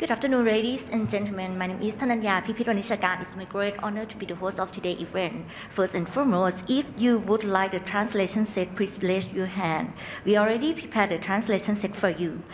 Good afternoon, ladies and gentlemen. My name is Tananya Pipitwanitchakan. It's my great honor to be the host of today's event. First and foremost, if you would like the translation set, please raise your hand. We already prepare the translation set for you.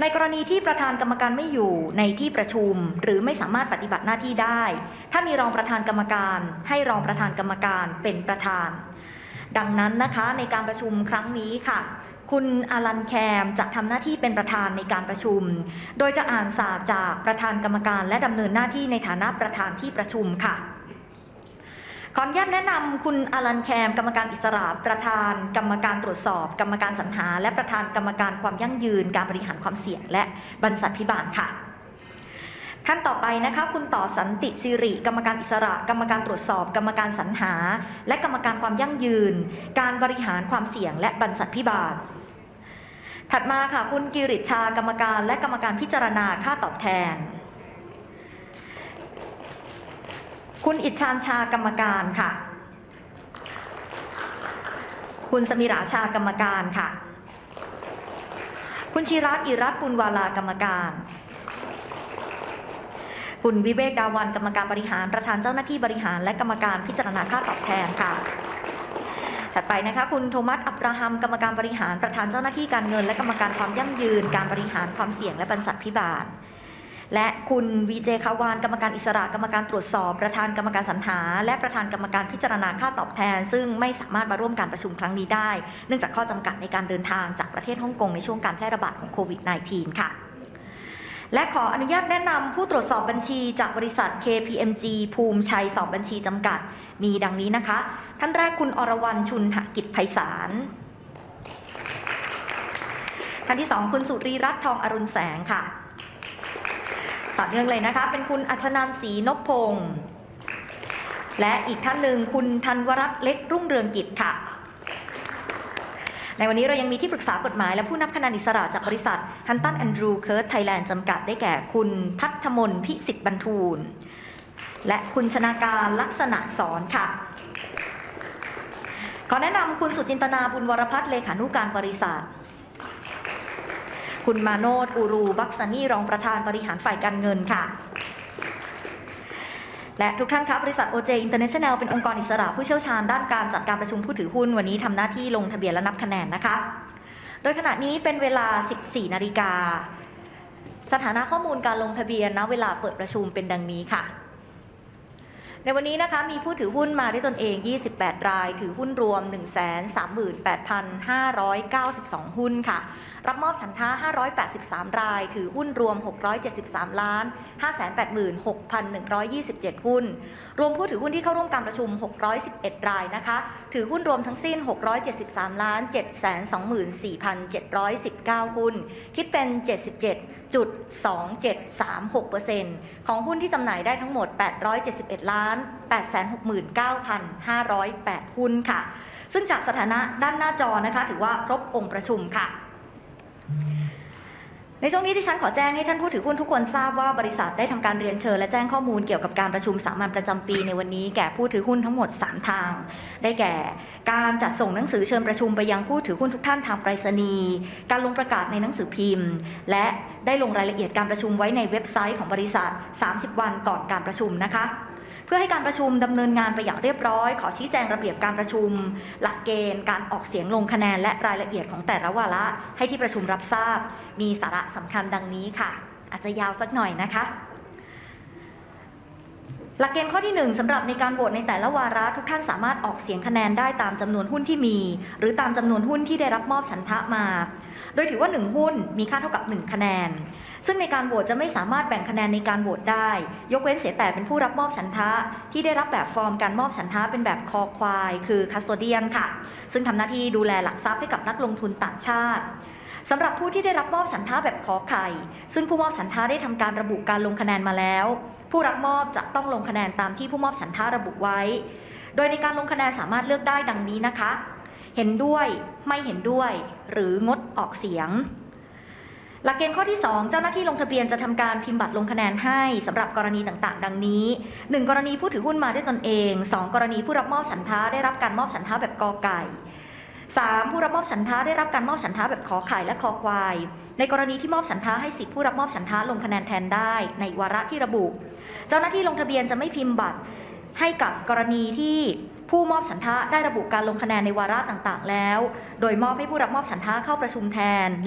ท่านประธานกรรมการและกรรมการอิสระไม่สามารถเข้าร่วมการประชุมได้เนื่องจากปัญหาสุขภาพค่ะซึ่งที่ประชุมคณะกรรมการบริษัทได้มีมติแต่งตั้งนายอลันแคม เป็นรองประธานกรรมการตามพ. พ.ร.บ. บริษัทมหาชนจำกัด พ.ศ. 2535 มาตรา 104 และข้อบังคับของบริษัทข้อที่ 34 กำหนดให้ประธานกรรมการเป็นประธานของที่ประชุมผู้ถือหุ้นในกรณีที่ประธานกรรมการไม่อยู่ในที่ประชุมหรือไม่สามารถปฏิบัติหน้าที่ได้ถ้ามีรองประธานกรรมการให้รองประธานกรรมการเป็นประธานดังนั้นนะคะในการประชุมครั้งนี้ค่ะคุณอลันแคมจะทำหน้าที่เป็นประธานในการประชุมโดยจะอ่านสารจากประธานกรรมการและดำเนินหน้าที่ในฐานะประธานที่ประชุมค่ะขออนุญาตแนะนำคุณอลันแคมกรรมการอิสระประธานกรรมการตรวจสอบกรรมการสรรหาและประธานกรรมการความยั่งยืนการบริหารความเสี่ยงและบรรษัทภิบาลค่ะท่านต่อไปนะคะคุณต่อสันติศิริกรรมการอิสระกรรมการตรวจสอบกรรมการสรรหาและกรรมการความยั่งยืนการบริหารความเสี่ยงและบรรษัทภิบาลถัดมาค่ะคุณกิริชชาห์กรรมการและกรรมการพิจารณาค่าตอบแทนคุณอิชานชาห์กรรมการค่ะคุณสมีราชาห์กรรมการค่ะคุณธีระกิรณ์ปุณณวรากรรมการคุณวิเวกดาวันกรรมการบริหารประธานเจ้าหน้าที่บริหารและกรรมการพิจารณาค่าตอบแทนค่ะถัดไปนะคะคุณโทมัสอับราฮัมกรรมการบริหารประธานเจ้าหน้าที่การเงินและกรรมการความยั่งยืนการบริหารความเสี่ยงและบรรษัทภิบาลและคุณวิเจย์การ์วากรรมการอิสระกรรมการตรวจสอบประธานกรรมการสรรหาและประธานกรรมการพิจารณาค่าตอบแทนซึ่งไม่สามารถมาร่วมการประชุมครั้งนี้ได้เนื่องจากข้อจำกัดในการเดินทางจากประเทศฮ่องกงในช่วงการแพร่ระบาดของ COVID-19 ค่ะขออนุญาตแนะนำผู้ตรวจสอบบัญชีจากบริษัท KPMG ภูมิไชยสอบบัญชีจำกัดมีดังนี้นะคะท่านแรกคุณอรวรรณชุณหกิจไพศาลท่านที่สองคุณสุรีรัตน์ทองอรุณแสงค่ะต่อเนื่องเลยนะคะเป็นคุณอัชนันศรีนพพงศ์และอีกท่านหนึ่งคุณธันวรัตน์เล็กรุ่งเรืองกิจค่ะในวันนี้เรายังมีที่ปรึกษากฎหมายและผู้นับคะแนนอิสระจากบริษัท Hunton Andrews Kurth (Thailand) Limited ได้แก่คุณภัทรมนพิสิฐบรรทูลและคุณชนากานต์ลักษณศรค่ะขอแนะนำคุณสุจินตนาบุญวรพัฒน์เลขานุการบริษัทคุณมาโนชกูร์บักซานีรองประธานบริหารฝ่ายการเงินค่ะและทุกท่านคะบริษัท OJ International เป็นองค์กรอิสระผู้เชี่ยวชาญด้านการจัดการประชุมผู้ถือหุ้นวันนี้ทำหน้าที่ลงทะเบียนและนับคะแนนนะคะโดยขณะนี้เป็นเวลา 14.00 น. สถานะข้อมูลการลงทะเบียนณเวลาเปิดประชุมเป็นดังนี้ค่ะในวันนี้นะคะมีผู้ถือหุ้นมาด้วยตนเอง 28 รายถือหุ้นรวม 138,592 หุ้นค่ะรับมอบฉันทะ 583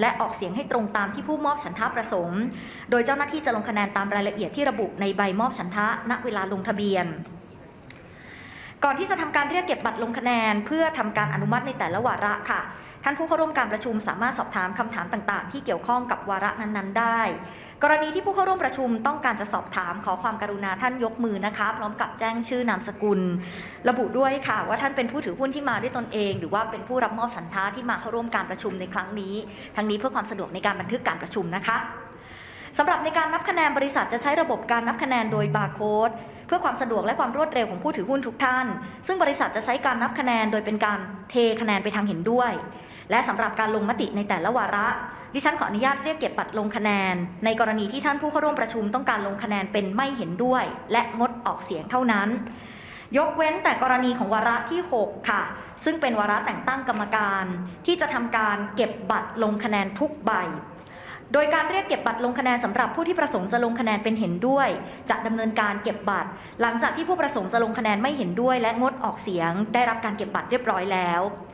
รายถือหุ้นรวม 673,586,127 หุ้นรวมผู้ถือหุ้นที่เข้าร่วมการประชุม 611 รายนะคะถือหุ้นรวมทั้งสิ้น 673,724,719 หุ้นคิดเป็น 77.2736% ของหุ้นที่จำหน่ายได้ทั้งหมด 871,869,508 หุ้นค่ะซึ่งจากสถานะด้านหน้าจอนะคะถือว่าครบองค์ประชุมค่ะในช่วงนี้ดิฉันขอแจ้งให้ท่านผู้ถือหุ้นทุกคนทราบว่าบริษัทได้ทำการเรียนเชิญและแจ้งข้อมูลเกี่ยวกับการประชุมสามัญประจำปีในวันนี้แก่ผู้ถือหุ้นทั้งหมดสามทางได้แก่การจัดส่งหนังสือเชิญประชุมไปยังผู้ถือหุ้นทุกท่านทางไปรษณีย์การลงประกาศในหนังสือพิมพ์และได้ลงรายละเอียดการประชุมไว้ในเว็บไซต์ของบริษัท 30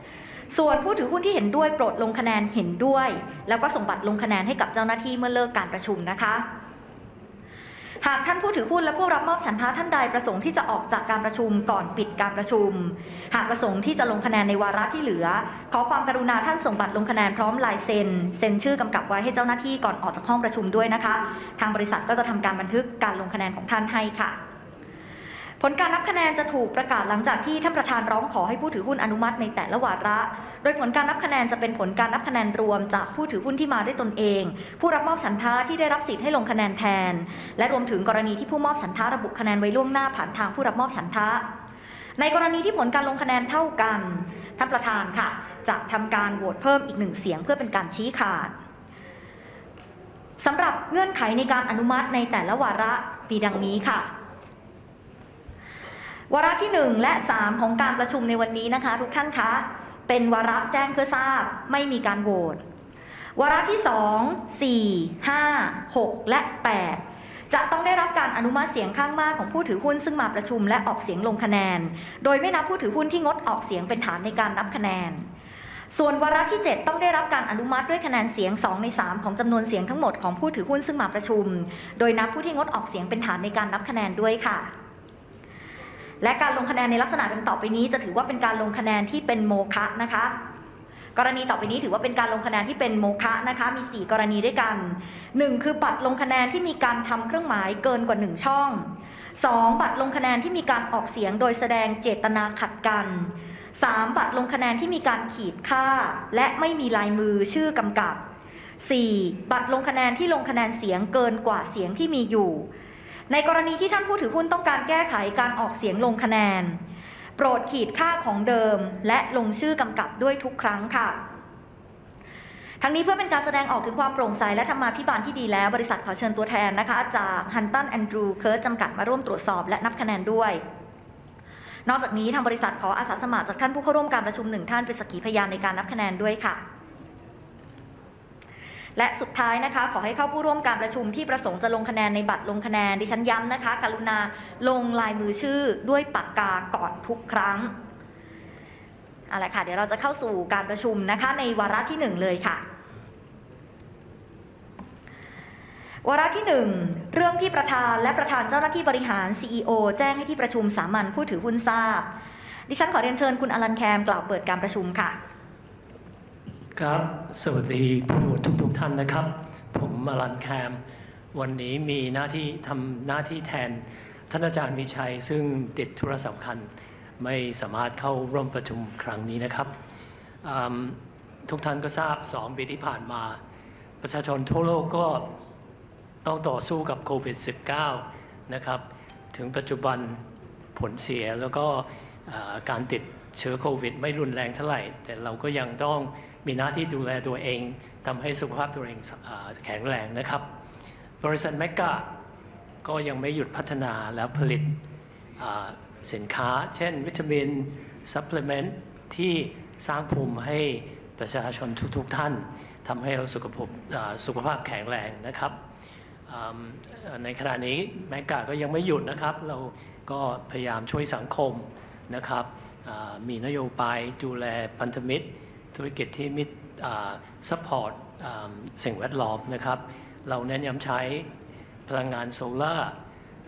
วันก่อนการประชุมนะคะเพื่อให้การประชุมดำเนินงานไปอย่างเรียบร้อยขอชี้แจงระเบียบการประชุมหลักเกณฑ์การออกเสียงลงคะแนนและรายละเอียดของแต่ละวาระให้ที่ประชุมรับทราบมีสาระสำคัญดังนี้ค่ะอาจจะยาวสักหน่อยนะคะหลักเกณฑ์ข้อที่หนึ่งสำหรับในการโหวตในแต่ละวาระทุกท่านสามารถออกเสียงคะแนนได้ตามจำนวนหุ้นที่มีหรือตามจำนวนหุ้นที่ได้รับมอบฉันทะมาโดยถือว่าหนึ่งหุ้นมีค่าเท่ากับหนึ่งคะแนนซึ่งในการโหวตจะไม่สามารถแบ่งคะแนนในการโหวตได้ยกเว้นเสียแต่เป็นผู้รับมอบฉันทะที่ได้รับแบบฟอร์มการมอบฉันทะเป็นแบบคคือ Custodian โปรดขีดฆ่าของเดิมและลงชื่อกำกับด้วยทุกครั้งค่ะทั้งนี้เพื่อเป็นการแสดงออกถึงความโปร่งใสและธรรมาภิบาลที่ดีแล้วบริษัทขอเชิญตัวแทนนะคะจาก Hunton Andrews Kurth (Thailand) Limited มาร่วมตรวจสอบและนับคะแนนด้วยนอกจากนี้ทางบริษัทขออาสาสมัครจากท่านผู้เข้าร่วมการประชุมหนึ่งท่านเป็นสักขีพยานในการนับคะแนนด้วยค่ะและสุดท้ายนะคะขอให้ผู้เข้าร่วมการประชุมที่ประสงค์จะลงคะแนนในบัตรลงคะแนนดิฉันย้ำนะคะกรุณาลงลายมือชื่อด้วยปากกาก่อนทุกครั้งเอาล่ะค่ะเดี๋ยวเราจะเข้าสู่การประชุมนะคะในวาระที่หนึ่งเลยค่ะวาระที่หนึ่งเรื่องที่ประธานและประธานเจ้าหน้าที่บริหาร CEO แจ้งให้ที่ประชุมสามัญผู้ถือหุ้นทราบดิฉันขอเรียนเชิญคุณอลันแคมกล่าวเปิดการประชุมค่ะครับสวัสดีผู้ถือหุ้นทุกๆท่านนะครับผมอลันแคมวันนี้มีหน้าที่ทำหน้าที่แทนท่านอาจารย์มีชัยซึ่งติดธุระสำคัญไม่สามารถเข้าร่วมประชุมครั้งนี้นะครับทุกท่านก็ทราบสองปีที่ผ่านมาประชาชนทั่วโลกก็ต้องต่อสู้กับ COVID-19 นะครับถึงปัจจุบันผลเสียแล้วการติดเชื้อ COVID ไม่รุนแรงเท่าไหร่แต่เราก็ยังต้องมีหน้าที่ดูแลตัวเองทำให้สุขภาพตัวเองแข็งแรงนะครับบริษัทเมก้าก็ยังไม่หยุดพัฒนาและผลิตสินค้าเช่น Vitamin Supplement ที่สร้างภูมิให้ประชาชนทุกๆท่านทำให้เราสุขภาพแข็งแรงนะครับในขณะนี้เมก้าก็ยังไม่หยุดนะครับเราก็พยายามช่วยสังคมนะครับมีนโยบายดูแลพันธมิตรธุรกิจที่มิตร Support สิ่งแวดล้อมนะครับเราเน้นย้ำใช้พลังงาน Solar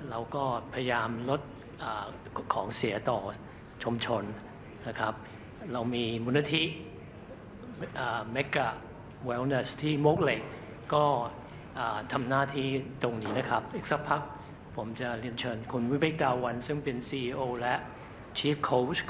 เราก็พยายามลดของเสียต่อชุมชนนะครับเรามีมูลนิธิ Mega Wellness ที่มวกเหล็กก็ทำหน้าที่ตรงนี้นะครับอีกสักพักผมจะเรียนเชิญคุณวิเวกดาวันซึ่งเป็น CEO และ Chief Coach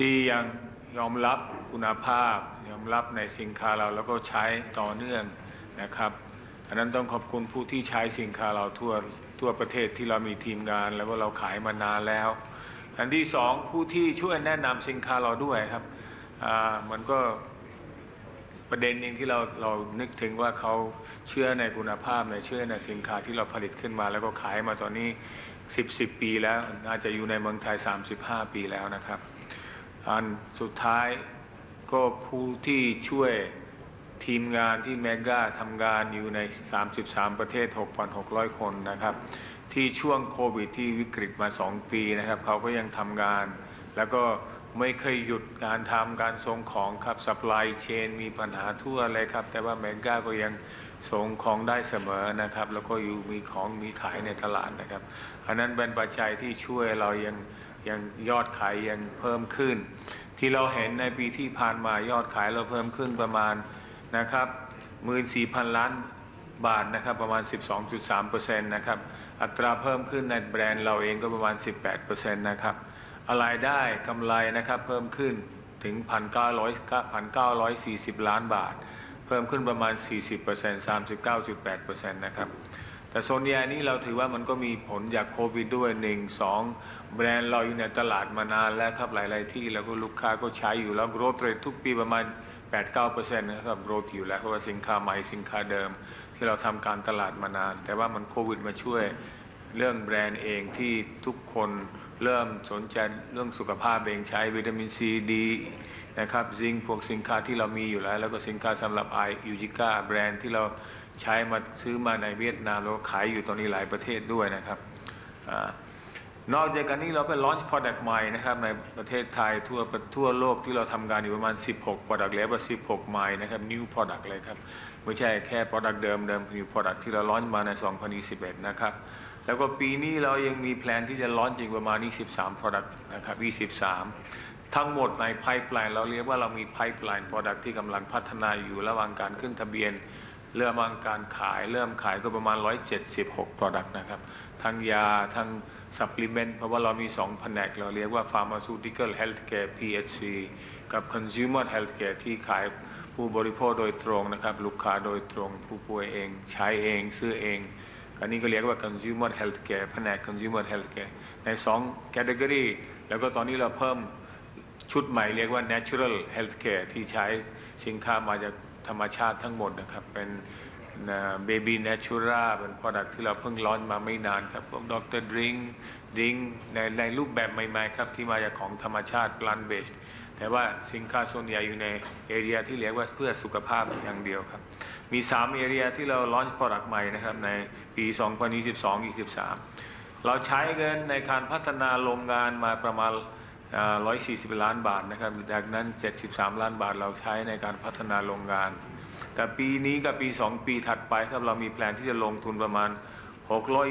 ขอบคุณครับเชิญคุณวิเวกครับขอเชิญคุณวิเวกดาวันนะคะประธานเจ้าหน้าที่บริหารค่ะขอบคุณท่านประธานครับขอบคุณผู้ถือหุ้นทุกท่านผู้ร่วมงานวันนี้ครับขอบคุณมากเลยครับอันแรกครับผมต้องขอบคุณลูกค้าเราครับทั่วโลกที่ Mega We Care ขายสินค้าอยู่นะครับที่ยังยอมรับคุณภาพยอมรับในสินค้าเราแล้วก็ใช้ต่อเนื่องนะครับอันนั้นต้องขอบคุณผู้ที่ใช้สินค้าเราทั่วประเทศที่เรามีทีมงานแล้วก็เราขายมานานแล้วอันที่สองผู้ที่ช่วยแนะนำสินค้าเราด้วยครับมันก็ประเด็นนึงที่เรานึกถึงว่าเขาเชื่อในคุณภาพเชื่อในสินค้าที่เราผลิตขึ้นมาแล้วก็ขายมาตอนนี้สิบปีแล้วน่าจะอยู่ในเมืองไทยสามสิบห้าปีแล้วนะครับอันสุดท้ายก็ผู้ที่ช่วยทีมงานที่ Mega ทำงานอยู่ในสามสิบสามประเทศหกพันหกร้อยคนนะครับที่ช่วง COVID ที่วิกฤตมาสองปีนะครับเขาก็ยังทำงานแล้วก็ไม่เคยหยุดการทำการส่งของครับ Supply Chain มีปัญหาทั่วเลยครับแต่ว่า Mega ก็ยังส่งของได้เสมอนะครับแล้วก็ยังมีของมีขายในตลาดนะครับอันนั้นเป็นปัจจัยที่ช่วยเรายอดขายยังเพิ่มขึ้นที่เราเห็นในปีที่ผ่านมายอดขายเราเพิ่มขึ้นประมาณนะครับหมื่นสี่พันล้านบาทนะครับประมาณ 12.3% นะครับอัตราเพิ่มขึ้นในแบรนด์เราเองก็ประมาณ 18% นะครับรายได้กำไรนะครับเพิ่มขึ้นถึงพันเก้าร้อยสี่สิบล้านบาทเพิ่มขึ้นประมาณ 39.8% นะครับแต่ส่วนใหญ่นี้เราถือว่ามันก็มีผลจาก COVID ด้วยหนึ่งสองแบรนด์เราอยู่ในตลาดมานานแล้วครับหลายที่เราก็ลูกค้าก็ใช้อยู่แล้ว growth rate ทุกปีประมาณ 8%-9% นะครับ growth อยู่แล้วเพราะว่าสินค้าใหม่สินค้าเดิมที่เราทำการตลาดมานานแต่ว่ามัน COVID มาช่วยเรื่องแบรนด์เองที่ทุกคนเริ่มสนใจเรื่องสุขภาพเองใช้วิตามินซีดีนะครับพวกสินค้าที่เรามีอยู่แล้วแล้วก็สินค้าสำหรับ Eugica แบรนด์ที่เราใช้มาซื้อมาในเวียดนามแล้วขายอยู่ตอนนี้หลายประเทศด้วยนะครับนอกจากนั้นเราก็ launch product ใหม่นะครับในประเทศไทยทั่วโลกที่เราทำงานอยู่ประมาณสิบหก product label สิบหกใหม่นะครับ new product เลยครับไม่ใช่แค่ product เดิมๆ new product ที่เรา launch มาใน 2021 นะครับแล้วก็ปีนี้เรายังมี plan ที่จะ launch อีกประมาณอีกสิบสาม product นะครับยี่สิบสามทั้งหมดใน pipeline เราเรียกว่าเรามี pipeline product ที่กำลังพัฒนาอยู่ระหว่างการขึ้นทะเบียนระหว่างการขายเริ่มขายก็ประมาณร้อยเจ็ดสิบหก product นะครับทั้งยาทั้ง supplement เพราะว่าเรามีสองแผนกเราเรียกว่า Pharmaceutical Healthcare PHC กับ Consumer Healthcare ที่ขายผู้บริโภคโดยตรงนะครับลูกค้าโดยตรงผู้ป่วยเองใช้เองซื้อเองอันนี้ก็เรียกว่า Consumer Healthcare แผนก Consumer Healthcare ในสอง category แล้วก็ตอนนี้เราเพิ่มชุดใหม่เรียกว่า Natural Healthcare ที่ใช้สินค้ามาจากธรรมชาติทั้งหมดนะครับเป็น BABY NATURA เป็น product ที่เราเพิ่ง launch มาไม่นานครับพวก DR.DRINK drink ในรูปแบบใหม่ๆครับที่มาจากของธรรมชาติ plant-based แต่ว่าสินค้าส่วนใหญ่อยู่ใน area ที่เรียกว่าเพื่อสุขภาพอย่างเดียวครับมีสาม area ที่เรา launch product ใหม่นะครับในปี 2022-2023 เราใช้เงินในการพัฒนาโรงงานมาประมาณ 141 ล้านบาทนะครับจากนั้น 73 ล้านบาทเราใช้ในการพัฒนาโรงงานแต่ปีนี้กับปีสองปีถัดไปครับเรามี plan ที่จะลงทุนประมาณ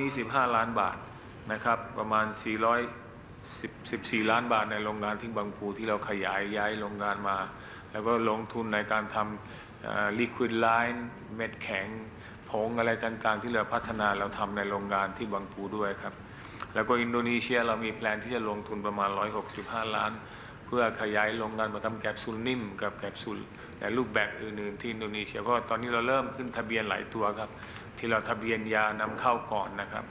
625 ล้านบาทนะครับประมาณ 414 ล้านบาทในโรงงานที่บางปูที่เราขยายย้ายโรงงานมาแล้วก็ลงทุนในการทำ Liquid Line เม็ดแข็งผงอะไรต่างๆที่เราพัฒนาเราทำในโรงงานที่บางปูด้วยครับแล้วก็อินโดนีเซียเรามี plan ที่จะลงทุนประมาณ 165 ล้านเพื่อขยายโรงงานมาทำแคปซูลนิ่มกับแคปซูลและรูปแบบอื่นๆที่อินโดนีเซียเพราะว่าตอนนี้เราเริ่มขึ้นทะเบียนหลายตัวครับที่เราทะเบียนยานำเข้าก่อนนะครับ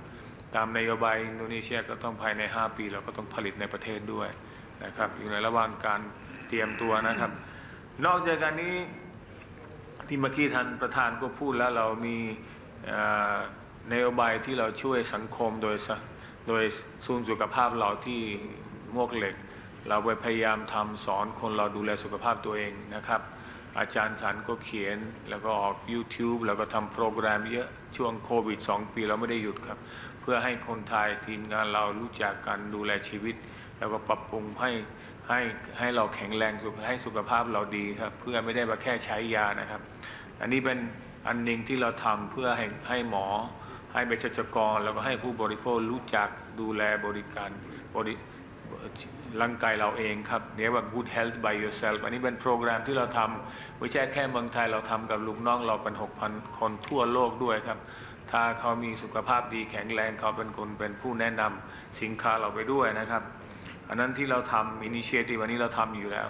ตามนโยบายอินโดนีเซียก็ต้องภายในห้าปีเราก็ต้องผลิตในประเทศด้วยนะครับอยู่ในระหว่างการเตรียมตัวนะครับนอกจากนี้ที่เมื่อกี้ท่านประธานก็พูดแล้วเรามีนโยบายที่เราช่วยสังคมโดยศูนย์สุขภาพเราที่มวกเหล็กเราไปพยายามทำสอนคนเราดูแลสุขภาพตัวเองนะครับอาจารย์ก็เขียนแล้วก็ออก YouTube แล้วก็ทำโปรแกรมเยอะช่วง COVID สองปีเราไม่ได้หยุดครับเพื่อให้คนไทยทีมงานเรารู้จักการดูแลชีวิตแล้วก็ปรับปรุงให้เราแข็งแรงให้สุขภาพเราดีครับเพื่อไม่ได้มาแค่ใช้ยานะครับอันนี้เป็นอันหนึ่งที่เราทำเพื่อให้หมอให้เภสัชกรแล้วก็ให้ผู้บริโภครู้จักดูแลร่างกายเราเองครับเรียกว่า Good Health by Yourself อันนี้เป็นโปรแกรมที่เราทำไม่ใช่แค่เมืองไทยเราทำกับลูกน้องเราเป็นหกพันคนทั่วโลกด้วยครับถ้าเขามีสุขภาพดีแข็งแรงเขาเป็นคนเป็นผู้แนะนำสินค้าเราไปด้วยนะครับอันนั้นที่เราทำ initiative อันนี้เราทำอยู่แล้ว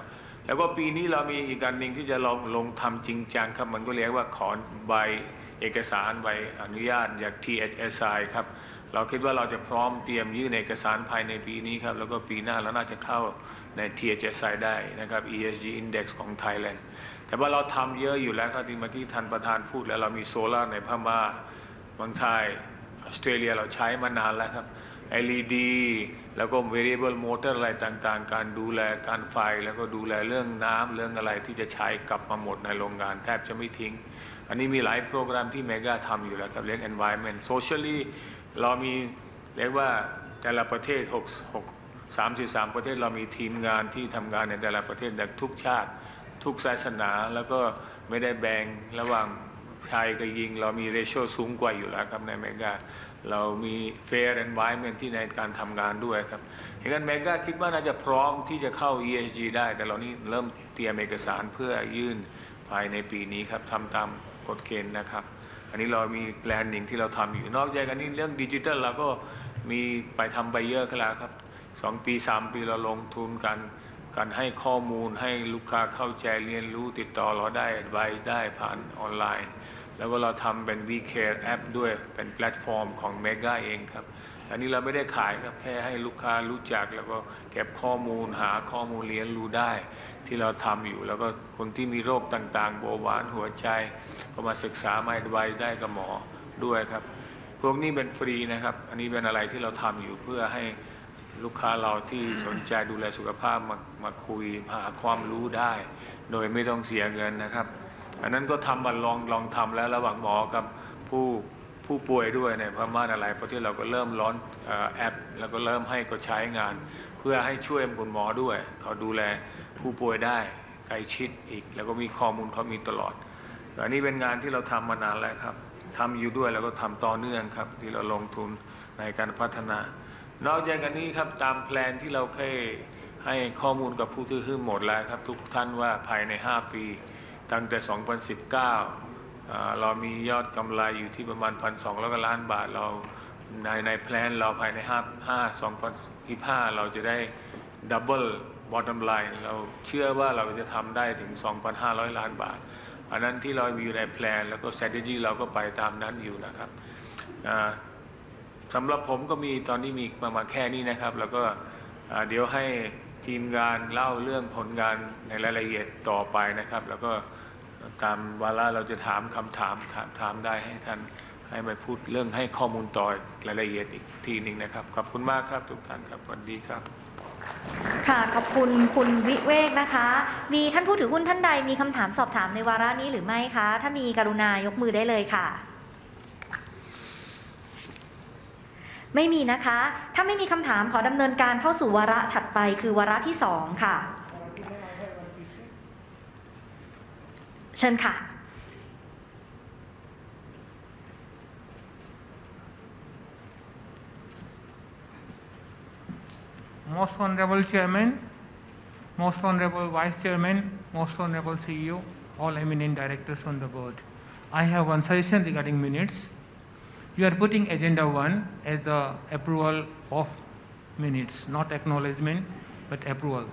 แล้วก็ปีนี้เรามีอีกอันหนึ่งที่จะลองลงทำจริงจังครับมันก็เรียกว่าขอใบเอกสารใบอนุญาตจาก THSI ครับเราคิดว่าเราจะพร้อมเตรียมยื่นเอกสารภายในปีนี้ครับแล้วก็ปีหน้าเราน่าจะเข้าใน THSI ได้นะครับ ESG Index ของ Thailand แต่ว่าเราทำเยอะอยู่แล้วครับเมื่อกี้ท่านประธานพูดแล้วเรามี Solar ในพม่าเมืองไทยออสเตรเลียเราใช้มานานแล้วครับ LED แล้วก็ Variable Motor อะไรต่างๆการดูแลการไฟแล้วก็ดูแลเรื่องน้ำเรื่องอะไรที่จะใช้กลับมาหมดในโรงงานแทบจะไม่ทิ้งอันนี้มีหลายโปรแกรมที่ Mega ทำอยู่แล้วครับเรื่อง Environment Socially เรามีเรียกว่าแต่ละประเทศสามสิบสามประเทศเรามีทีมงานที่ทำงานในแต่ละประเทศในทุกชาติทุกศาสนาแล้วก็ไม่ได้แบ่งระหว่างชายกับหญิงเรามี ratio สูงกว่าอยู่แล้วครับใน Mega เรามี fair environment ที่ในการทำงานด้วยครับเพราะฉะนั้น Mega คิดว่าน่าจะพร้อมที่จะเข้า ESG ได้แต่เราเริ่มเตรียมเอกสารเพื่อยื่นภายในปีนี้ครับทำตามกฎเกณฑ์นะครับอันนี้เรามี plan หนึ่งที่เราทำอยู่นอกจากนี้เรื่อง digital เราก็มีไปทำไปเยอะแล้วครับสองปีสามปีเราลงทุนกันการให้ข้อมูลให้ลูกค้าเข้าใจเรียนรู้ติดต่อเราได้ advice ได้ผ่าน online แล้วก็เราทำเป็น WeCare App ด้วยเป็น platform ของ Mega เองครับอันนี้เราไม่ได้ขายครับแค่ให้ลูกค้ารู้จักแล้วก็เก็บข้อมูลหาข้อมูลเรียนรู้ได้ที่เราทำอยู่แล้วก็คนที่มีโรคต่างๆเบาหวานหัวใจก็มาศึกษามา advice ได้กับหมอด้วยครับพวกนี้เป็นฟรีนะครับอันนี้เป็นอะไรที่เราทำอยู่เพื่อให้ลูกค้าเราที่สนใจดูแลสุขภาพมาคุยหาความรู้ได้โดยไม่ต้องเสียเงินนะครับอันนั้นก็ทำมาลองทำแล้วระหว่างหมอกับผู้ป่วยด้วยเพราะที่เราก็เริ่ม launch app แล้วก็เริ่มให้เขาใช้งานเพื่อให้ช่วยคุณหมอด้วยเขาดูแลผู้ป่วยได้ใกล้ชิดอีกแล้วก็มีข้อมูลเขามีตลอดอันนี้เป็นงานที่เราทำมานานแล้วครับทำอยู่ด้วยแล้วก็ทำต่อเนื่องครับที่เราลงทุนในการพัฒนานอกจากนี้ครับตาม plan ที่เราเคยให้ข้อมูลกับผู้ถือหุ้นหมดแล้วครับทุกท่านว่าภายในห้าปีตั้งแต่ 2019 เรามียอดกำไรอยู่ที่ประมาณพันสองร้อยกว่าล้านบาทเราใน plan เราภายใน 2025 เราจะได้ double bottom line เราเชื่อว่าเราจะทำได้ถึง 2,500 ล้านบาทอันนั้นที่เรามีอยู่ใน plan แล้วก็ strategy เราก็ไปตามนั้นอยู่นะครับสำหรับผมก็มีตอนนี้ประมาณแค่นี้นะครับแล้วก็เดี๋ยวให้ทีมงานเล่าเรื่องผลงานในรายละเอียดต่อไปนะครับแล้วก็ตามวาระเราจะถามคำถามถามได้ให้ท่านให้ไปพูดเรื่องให้ข้อมูลต่อรายละเอียดอีกทีนึงนะครับขอบคุณมากครับทุกท่านครับสวัสดีครับขอบคุณคุณวิเวกนะคะมีท่านผู้ถือหุ้นท่านใดมีคำถามสอบถามในวาระนี้หรือไม่คะถ้ามีกรุณายกมือได้เลยคะไม่มีนะคะถ้าไม่มีคำถามขอดำเนินการเข้าสู่วาระถัดไปคือวาระที่สองค่ะเชิญค่ะ Most honorable Chairman, most honorable Vice Chairman, most honorable CEO, all eminent Directors on the Board, I have one suggestion regarding minutes. You are putting Agenda 1 as the approval of minutes not acknowledgement but approval.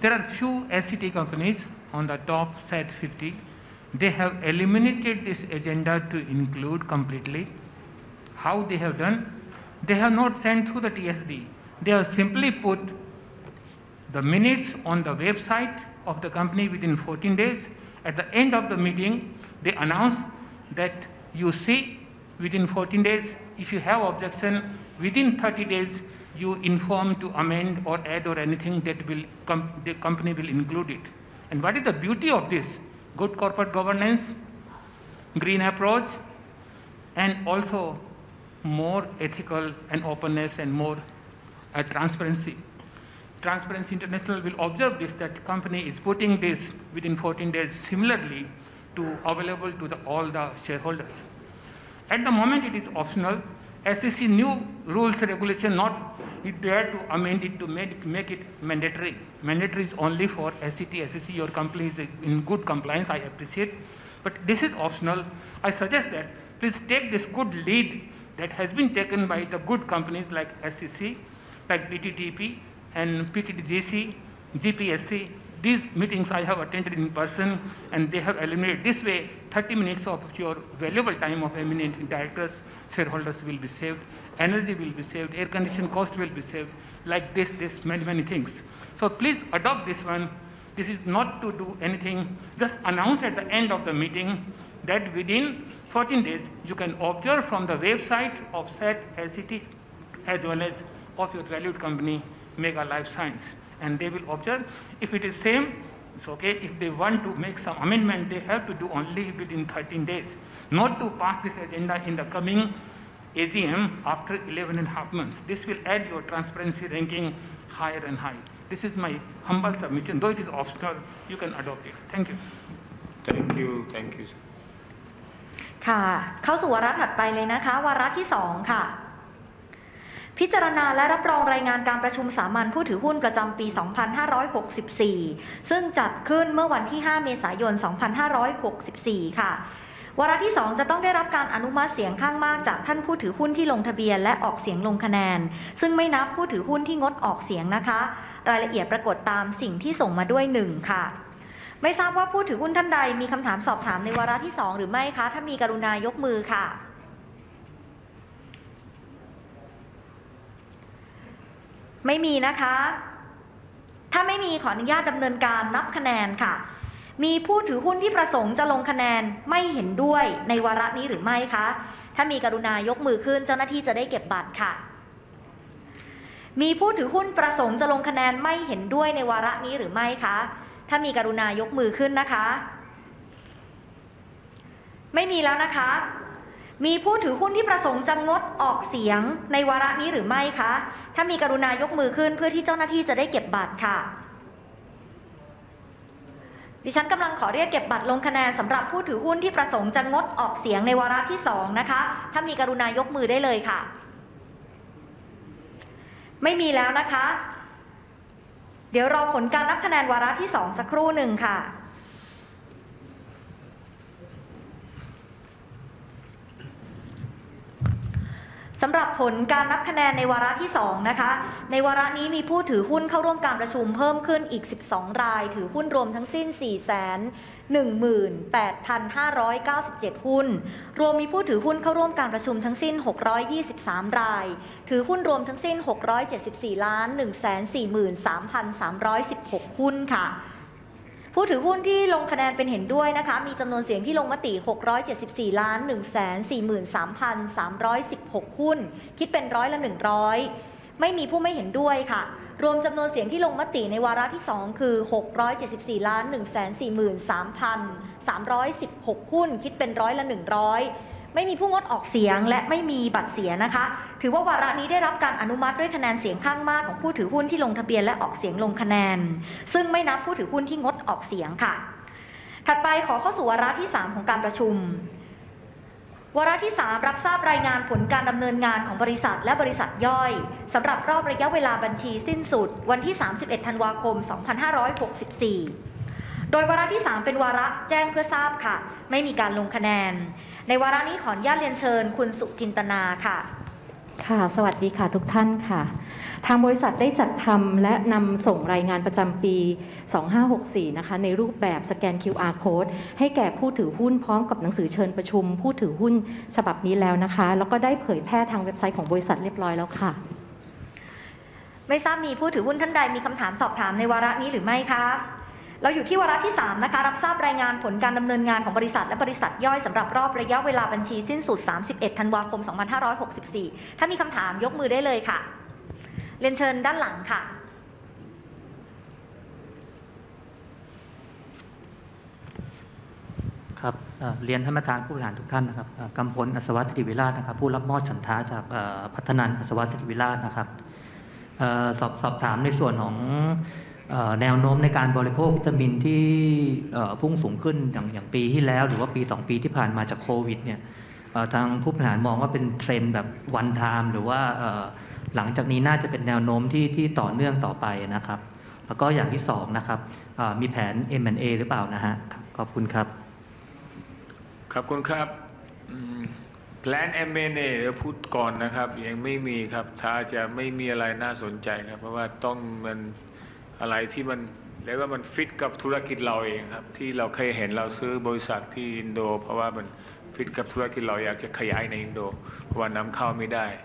There are few SET companies on the top SET50. They have eliminated this agenda to include completely how they have done. They have not sent to the TSD. They are simply put the minutes on the website of the company within 14 days. At the end of the meeting they announce that you see within 14 days if you have objection within 30 days you inform to amend or add or anything that will come the company will include it. What is the beauty of this? Good corporate governance, green approach and also more ethical and openness and more transparency. Transparency International will observe this that company is putting this within 14 days similarly to available to all the shareholders. At the moment it is optional as you see new rules regulation not yet there to amend it to make it mandatory. Mandatory is only for SET/SCC as I see your company is in good compliance. I appreciate, but this is optional. I suggest that please take this good lead that has been taken by the good companies like SCC, like PTTEP and PTTGC, GPSC. These meetings I have attended in person and they have eliminated this way 30 minutes of your valuable time of eminent directors, shareholders will be saved, energy will be saved, air condition cost will be saved like this many, many things. Please adopt this one. This is not to do anything, just announce at the end of the meeting that within 14 days you can observe from the website of SET as well as of your valued company Mega Lifesciences and they will observe. If it is same, it's okay. If they want to make some amendment they have to do only within 13 days not to pass this agenda in the coming AGM after 11.5 months. This will add your transparency ranking higher and higher. This is my humble submission though it is optional you can adopt it. Thank you. Thank you. Thank you. เข้าสู่วาระถัดไปเลยนะคะวาระที่สองค่ะพิจารณาและรับรองรายงานการประชุมสามัญผู้ถือหุ้นประจำปี 2564 ซึ่งจัดขึ้นเมื่อวันที่ 5 เมษายน 2564 เดี๋ยวรอผลการนับคะแนนวาระที่สองสักครู่นึงค่ะสำหรับผลการนับคะแนนในวาระที่สองนะคะในวาระนี้มีผู้ถือหุ้นเข้าร่วมการประชุมเพิ่มขึ้นอีก 12 รายถือหุ้นรวมทั้งสิ้น 418,597 หุ้นรวมมีผู้ถือหุ้นเข้าร่วมการประชุมทั้งสิ้น 623 รายถือหุ้นรวมทั้งสิ้น 674,143,316 หุ้นค่ะผู้ถือหุ้นที่ลงคะแนนเป็นเห็นด้วยนะคะมีจำนวนเสียงที่ลงมติ 674,143,316 หุ้นคิดเป็น 100% ไม่มีผู้ไม่เห็นด้วยค่ะรวมจำนวนเสียงที่ลงมติในวาระที่สองคือ 674,143,316 หุ้นคิดเป็น 100% ไม่มีผู้งดออกเสียงและไม่มีบัตรเสียนะคะถือว่าวาระนี้ได้รับการอนุมัติด้วยคะแนนเสียงข้างมากของผู้ถือหุ้นที่ลงทะเบียนและออกเสียงลงคะแนนซึ่งไม่นับผู้ถือหุ้นที่งดออกเสียงค่ะถัดไปขอเข้าสู่วาระที่สามของการประชุมวาระที่สามรับทราบรายงานผลการดำเนินงานของบริษัทและบริษัทย่อยสำหรับรอบระยะเวลาบัญชีสิ้นสุดวันที่ 31 ธันวาคม 2564 โดยวาระที่สามเป็นวาระแจ้งเพื่อทราบค่ะไม่มีการลงคะแนนในวาระนี้ขออนุญาตเรียนเชิญคุณสุจินตนาค่ะค่ะสวัสดีค่ะทุกท่านค่ะทางบริษัทได้จัดทำและนำส่งรายงานประจำปี 2564 นะคะในรูปแบบสแกน QR Code ให้แก่ผู้ถือหุ้นพร้อมกับหนังสือเชิญประชุมผู้ถือหุ้นฉบับนี้แล้วนะคะแล้วก็ได้เผยแพร่ทางเว็บไซต์ของบริษัทเรียบร้อยแล้วค่ะไม่ทราบมีผู้ถือหุ้นท่านใดมีคำถามสอบถามในวาระนี้หรือไม่คะเราอยู่ที่วาระที่สามนะคะรับทราบรายงานผลการดำเนินงานของบริษัทและบริษัทย่อยสำหรับรอบระยะเวลาบัญชีสิ้นสุด 31 ธันวาคม 2564 ถ้ามีคำถามยกมือได้เลยค่ะเรียนเชิญด้านหลังค่ะเรียนท่านประธานผู้บริหารทุกท่านนะครับกำพลอัศวศิริวิลาศนะครับผู้รับมอบฉันทะจากพัฒนันท์อัศวศิริวิลาศนะครับขอสอบถามในส่วนของแนวโน้มในการบริโภควิตามินที่พุ่งสูงขึ้นอย่างปีที่แล้วหรือว่าปีสองปีที่ผ่านมาจาก COVID-19 เนี่ยทางผู้บริหารมองว่าเป็น trend แบบ one time หรือว่าหลังจากนี้น่าจะเป็นแนวโน้มที่ต่อเนื่องต่อไปนะครับแล้วก็อย่างที่สองนะครับมีแผน M&A หรือเปล่านะครับขอบคุณครับขอบคุณครับอืม Plan M&A เดี๋ยวพูดก่อนนะครับยังไม่มีครับถ้าจะไม่มีอะไรน่าสนใจครับเพราะว่าต้องมันอะไรที่มันเรียกว่ามันฟิตกับธุรกิจเราเองครับที่เราเคยเห็นเราซื้อบริษัทที่อินโดเพราะว่ามันฟิตกับธุรกิจอยากจะขยายในอินโดเพราะว่านำเข้าไม่ได้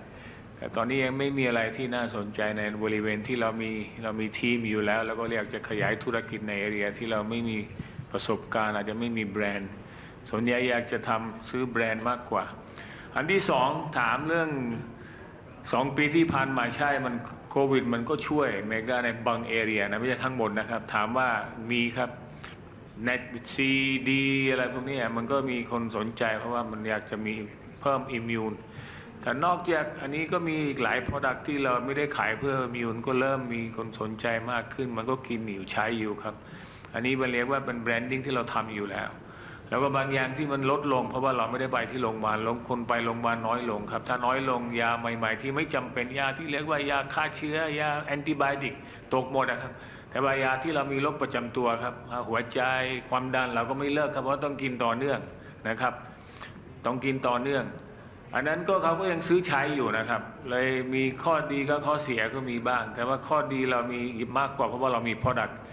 แต่ตอนนี้ยังไม่มีอะไรที่น่าสนใจในบริเวณที่เรามีเรามีทีมอยู่แล้วแล้วก็อยากจะขยายธุรกิจใน area ที่เราไม่มีประสบการณ์อาจจะไม่มีแบรนด์ส่วนใหญ่อยากจะทำซื้อแบรนด์มากกว่าอันที่สองถามเรื่องสองปีที่ผ่านมาใช่มัน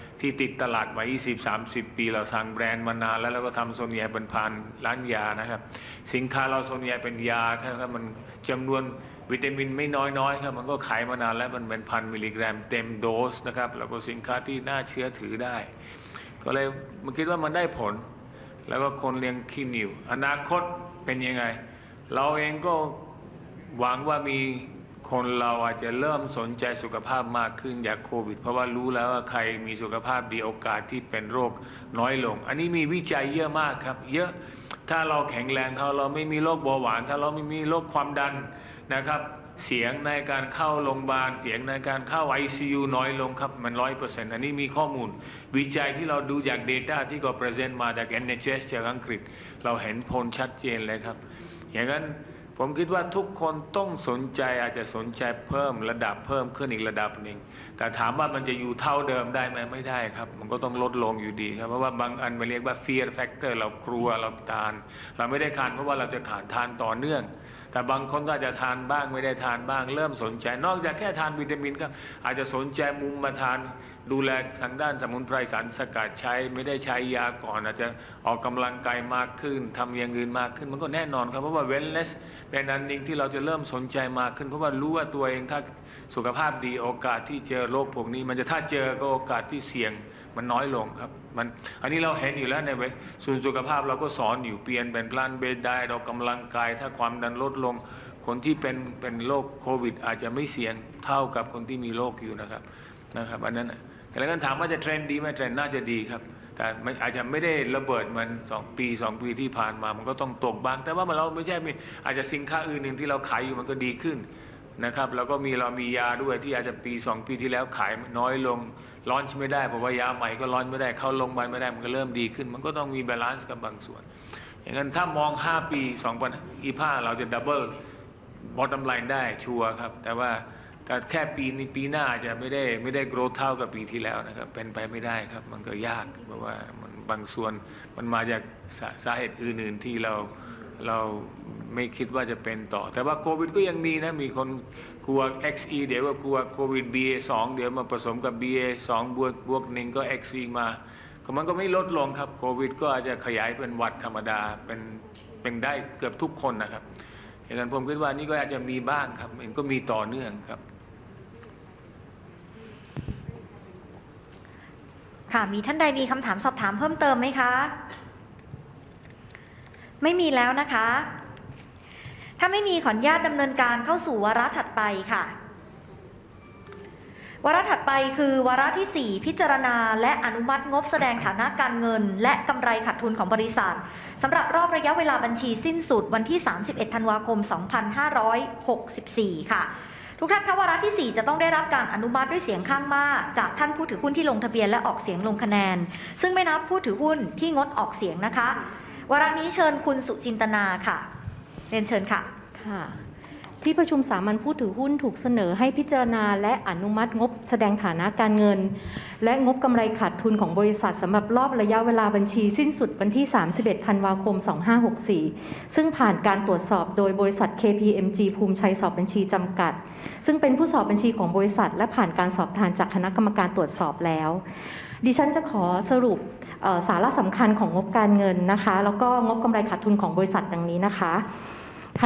COVID มันก็ช่วย Mega ในบาง area นะไม่ใช่ทั้งหมดนะครับถามว่ามีครับ C, D อะไรพวกนี้มันก็มีคนสนใจเพราะว่ามันอยากจะมีเพิ่ม immune แต่นอกจากอันนี้ก็มีอีกหลาย product ที่เราไม่ได้ขายเพื่อ immune ก็เริ่มมีคนสนใจมากขึ้นมันก็กินอยู่ใช้อยู่ครับอันนี้มันเรียกว่าเป็น branding ที่เราทำอยู่แล้วแล้วก็บางอย่างที่มันลดลงเพราะว่าเราไม่ได้ไปที่โรงพยาบาลคนไปโรงพยาบาลน้อยลงครับถ้าน้อยลงยาใหม่ที่ไม่จำเป็นยาที่เรียกว่ายาฆ่าเชื้อยา Antibiotic ตกหมดอ่ะครับแต่ว่ายาที่เรามีพกประจำตัวครับหัวใจความดันเราก็ไม่เลิกครับเพราะต้องกินต่อเนื่องนะครับต้องกินต่อเนื่องอันนั้นก็เขาก็ยังซื้อใช้อยู่นะครับเลยมีข้อดีก็ข้อเสียก็มีบ้างแต่ว่าข้อดีเรามีมากกว่าเพราะว่าเรามี product ที่ติดตลาดมายี่สิบสามสิบปีเราสร้างแบรนด์มานานแล้วแล้วก็ทำส่วนใหญ่เป็นผ่านร้านยานะครับสินค้าเราส่วนใหญ่เป็นยาครับมันจำนวนวิตามินไม่น้อยนะครับมันก็ขายมานานแล้วมันเป็นพันมิลลิกรัมเต็มโดสนะครับแล้วก็สินค้าที่น่าเชื่อถือได้ก็เลยคิดว่ามันได้ผลแล้วก็คนยังกินอยู่อนาคตเป็นยังไงเราเองก็หวังว่ามีคนเราอาจจะเริ่มสนใจสุขภาพมากขึ้นจาก COVID เพราะว่ารู้แล้วว่าใครมีสุขภาพดีโอกาสที่เป็นโรคน้อยลงอันนี้มีวิจัยเยอะมากครับเยอะถ้าเราแข็งแรงถ้าเราไม่มีโรคเบาหวานถ้าเราไม่มีโรคความดันนะครับเสี่ยงในการเข้าโรงพยาบาลเสี่ยงในการเข้า ICU น้อยลงครับมัน 100% อันนี้มีข้อมูลวิจัยที่เราดูจาก data ที่เขา present มาจาก NHS จากอังกฤษเราเห็นผลชัดเจนเลยครับอย่างนั้นผมคิดว่าทุกคนต้องสนใจอาจจะสนใจเพิ่มระดับเพิ่มขึ้นอีกระดับหนึ่งแต่ถามว่ามันจะอยู่เท่าเดิมได้ไหมไม่ได้ครับมันก็ต้องลดลงอยู่ดีครับเพราะว่าบางอันมันเรียกว่า fear factor เรากลัวเราทานเราไม่ได้ทานเพราะว่าเราจะขาดทานต่อเนื่องแต่บางคนก็อาจจะทานบ้างไม่ได้ทานบ้างเริ่มสนใจนอกจากแค่ทานวิตามินก็อาจจะสนใจมุมมาทานดูแลทางด้านสมุนไพรสารสกัดใช้ไม่ได้ใช้ยาก่อนอาจจะออกกำลังกายมากขึ้นทำอย่างอื่นมากขึ้นมันก็แน่นอนครับเพราะว่า wellness เป็นอันหนึ่งที่เราจะเริ่มสนใจมากขึ้นเพราะว่ารู้ว่าตัวเองถ้าสุขภาพดีโอกาสที่เจอโรคพวกนี้มันจะถ้าเจอก็โอกาสที่เสี่ยงมันน้อยลงครับมันอันนี้เราเห็นอยู่แล้วในส่วนสุขภาพเราก็สอนอยู่เปลี่ยนเป็น plant-based diet ออกกำลังกายถ้าความดันลดลงคนที่เป็นโรค COVID อาจจะไม่เสี่ยงเท่ากับคนที่มีโรคอยู่นะครับอันนั้นนะแต่ถ้าถามว่าจะ trend ดีไหม trend น่าจะดีครับแต่มันอาจจะไม่ได้ระเบิดเหมือนสองปีที่ผ่านมามันก็ต้องตกบ้างแต่ว่าเราไม่ใช่อาจจะสินค้าอื่นอีกที่เราขายอยู่มันก็ดีขึ้นนะครับแล้วก็มีเรามียาด้วยที่อาจจะปีสองปีที่แล้วขายน้อยลง launch ไม่ได้เพราะว่ายาใหม่ก็ launch ไม่ได้เข้าโรงพยาบาลไม่ได้มันก็เริ่มดีขึ้นมันก็ต้องมี balance กับบางส่วนอย่างนั้นถ้ามองห้าปี 2025 เราจะ double กำไรได้ชัวร์ครับแต่ว่าก็แค่ปีนี้ปีหน้าอาจจะไม่ได้ไม่ได้ grow เท่ากับปีที่แล้วนะครับเป็นไปไม่ได้ครับมันก็ยากเพราะว่ามันบางส่วนมันมาจากสาเหตุอื่นๆที่เราไม่คิดว่าจะเป็นต่อแต่ว่า COVID ก็ยังดีนะมีคนกลัว eczema เดี๋ยวก็กลัว COVID BA.2 เดี๋ยวมาผสมกับ BA.2 บวกบวกหนึ่งก็ eczema มามันก็ไม่ลดลงครับ COVID ก็อาจจะขยายเป็นหวัดธรรมดาเป็นได้เกือบทุกคนนะครับงั้นผมคิดว่านี่ก็อาจจะมีบ้างครับมันก็มีต่อเนื่องครับมีท่านใดมีคำถามสอบถามเพิ่มเติมไหมคะไม่มีแล้วนะคะถ้าไม่มีขออนุญาตดำเนินการเข้าสู่วาระถัดไปค่ะวาระถัดไปคือวาระที่สี่พิจารณาและอนุมัติงบแสดงฐานะการเงินและกำไรขาดทุนของบริษัทสำหรับรอบระยะเวลาบัญชีสิ้นสุดวันที่ 31 ธันวาคม 2564 ค่ะทุกท่านคะวาระที่สี่จะต้องได้รับการอนุมัติด้วยเสียงข้างมากจากท่านผู้ถือหุ้นที่ลงทะเบียนและออกเสียงลงคะแนนซึ่งไม่นับผู้ถือหุ้นที่งดออกเสียงนะคะวาระนี้เชิญคุณสุจินตนาค่ะเรียนเชิญค่ะที่ประชุมสามัญผู้ถือหุ้นถูกเสนอให้พิจารณาและอนุมัติงบแสดงฐานะการเงินและงบกำไรขาดทุนของบริษัทสำหรับรอบระยะเวลาบัญชีสิ้นสุดวันที่ 31 ธันวาคม 2564 ซึ่งผ่านการตรวจสอบโดยบริษัท KPMG ภูมิไชยสอบบัญชีจำกัดซึ่งเป็นผู้สอบบัญชีของบริษัทและผ่านการสอบทานจากคณะกรรมการตรวจสอบแล้วดิฉันจะขอสรุปสาระสำคัญของงบการเงินนะคะแล้วก็งบกำไรขาดทุนของบริษัทดังนี้นะคะ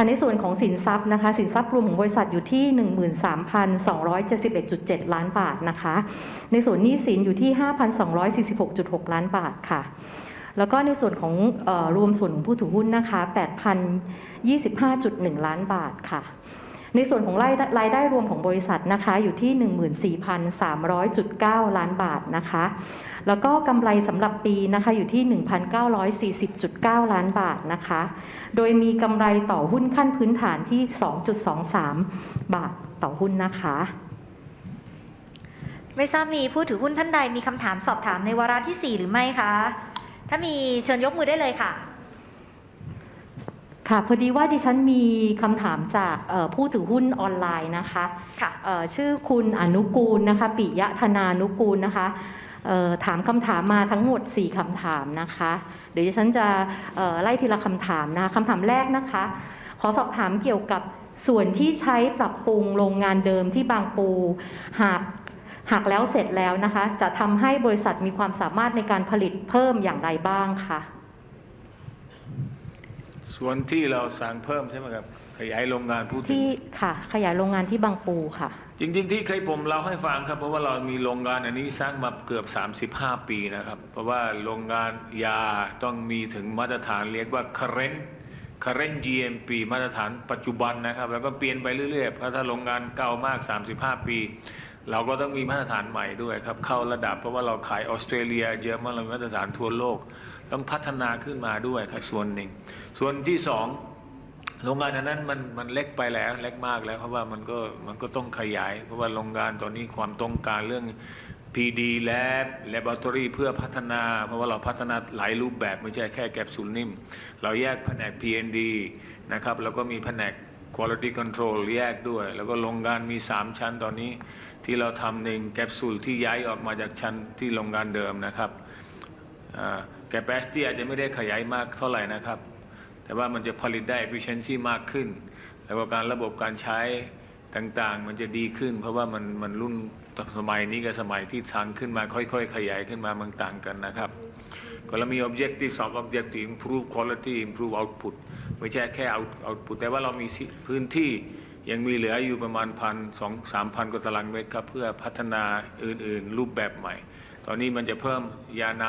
ในส่วนของสินทรัพย์นะคะสินทรัพย์รวมของบริษัทอยู่ที่ 13,271.7 ล้านบาทนะคะในส่วนหนี้สินอยู่ที่ 5,246.6 ล้านบาทค่ะแล้วก็ในส่วนของรวมส่วนของผู้ถือหุ้นนะคะ 8,025.1 ล้านบาทค่ะในส่วนของรายได้รายได้รวมของบริษัทนะคะอยู่ที่ 14,300.9 ล้านบาทนะคะแล้วก็กำไรสำหรับปีนะคะอยู่ที่ 1,940.9 ล้านบาทนะคะโดยมีกำไรต่อหุ้นขั้นพื้นฐานที่ 2.23 บาทต่อหุ้นนะคะไม่ทราบมีผู้ถือหุ้นท่านใดมีคำถามสอบถามในวาระที่สี่หรือไม่คะถ้ามีเชิญยกมือได้เลยค่ะค่ะพอดีว่าดิฉันมีคำถามจากเอ่อผู้ถือหุ้นออนไลน์นะคะค่ะชื่อคุณอนุกูลปิยธนานุกูลนะคะถามคำถามมาทั้งหมดสี่คำถามนะคะเดี๋ยวดิฉันจะไล่ทีละคำถามนะคะคำถามแรกนะคะขอสอบถามเกี่ยวกับส่วนที่ใช้ปรับปรุงโรงงานเดิมที่บางปูหากแล้วเสร็จแล้วนะคะจะทำให้บริษัทมีความสามารถในการผลิตเพิ่มอย่างไรบ้างคะส่วนที่เราสร้างเพิ่มใช่ไหมครับขยายโรงงานผู้ที่ที่ค่ะขยายโรงงานที่บางปูค่ะจริงๆที่เคยผมเล่าให้ฟังครับเพราะว่าเรามีโรงงานอันนี้สร้างมาเกือบสามสิบห้าปีนะครับเพราะว่าโรงงานยาต้องมีถึงมาตรฐานเรียกว่า Current GMP มาตรฐานปัจจุบันนะครับแล้วก็เปลี่ยนไปเรื่อยๆเพราะถ้าโรงงานเก่ามากสามสิบห้าปีเราก็ต้องมีมาตรฐานใหม่ด้วยครับเข้าระดับเพราะว่าเราขายออสเตรเลียเยอะมากมาตรฐานทั่วโลกต้องพัฒนาขึ้นมาด้วยครับส่วนหนึ่งส่วนที่สองโรงงานอันนั้นมันเล็กไปแล้วเล็กมากแล้วเพราะว่ามันก็ต้องขยายเพราะว่าโรงงานตอนนี้ความต้องการเรื่อง PD Lab Laboratory เพื่อพัฒนาเพราะว่าเราพัฒนาหลายรูปแบบไม่ใช่แค่แคปซูลนิ่มเราแยกแผนก R&D นะครับแล้วก็มีแผนก quality control แยกด้วยแล้วก็โรงงานมีสามชั้นตอนนี้ที่เราทำในแคปซูลที่ย้ายออกมาจากชั้นที่โรงงานเดิมนะครับ capacity อาจจะไม่ได้ขยายมากเท่าไหร่นะครับแต่ว่ามันจะผลิตได้ efficiency มากขึ้นแล้วก็การระบบการใช้ต่างๆมันจะดีขึ้นเพราะว่ามันรุ่นสมัยนี้กับสมัยที่สร้างขึ้นมาค่อยๆขยายขึ้นมามันต่างกันนะครับเราก็มี objective สอง Objective คือ Improve quality, improve output ไม่ใช่แค่ output แต่ว่าเรามีพื้นที่ยังมีเหลืออยู่ประมาณสองสามพันกว่าตารางเมตรครับเพื่อพัฒนาอื่นๆรูปแบบใหม่ตอนนี้มันจะเพิ่มยาน้ำ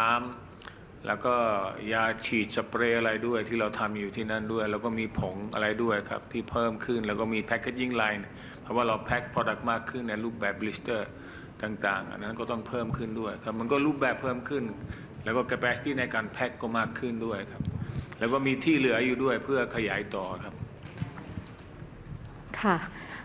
แล้วก็ยาฉีดสเปรย์อะไรด้วยที่เราทำอยู่ที่นั่นด้วยแล้วก็มีผงอะไรด้วยครับที่เพิ่มขึ้นแล้วก็มี packaging line เพราะว่าเรา pack product มากขึ้นในรูปแบบ blister ต่างๆอันนั้นก็ต้องเพิ่มขึ้นด้วยครับมันก็รูปแบบเพิ่มขึ้น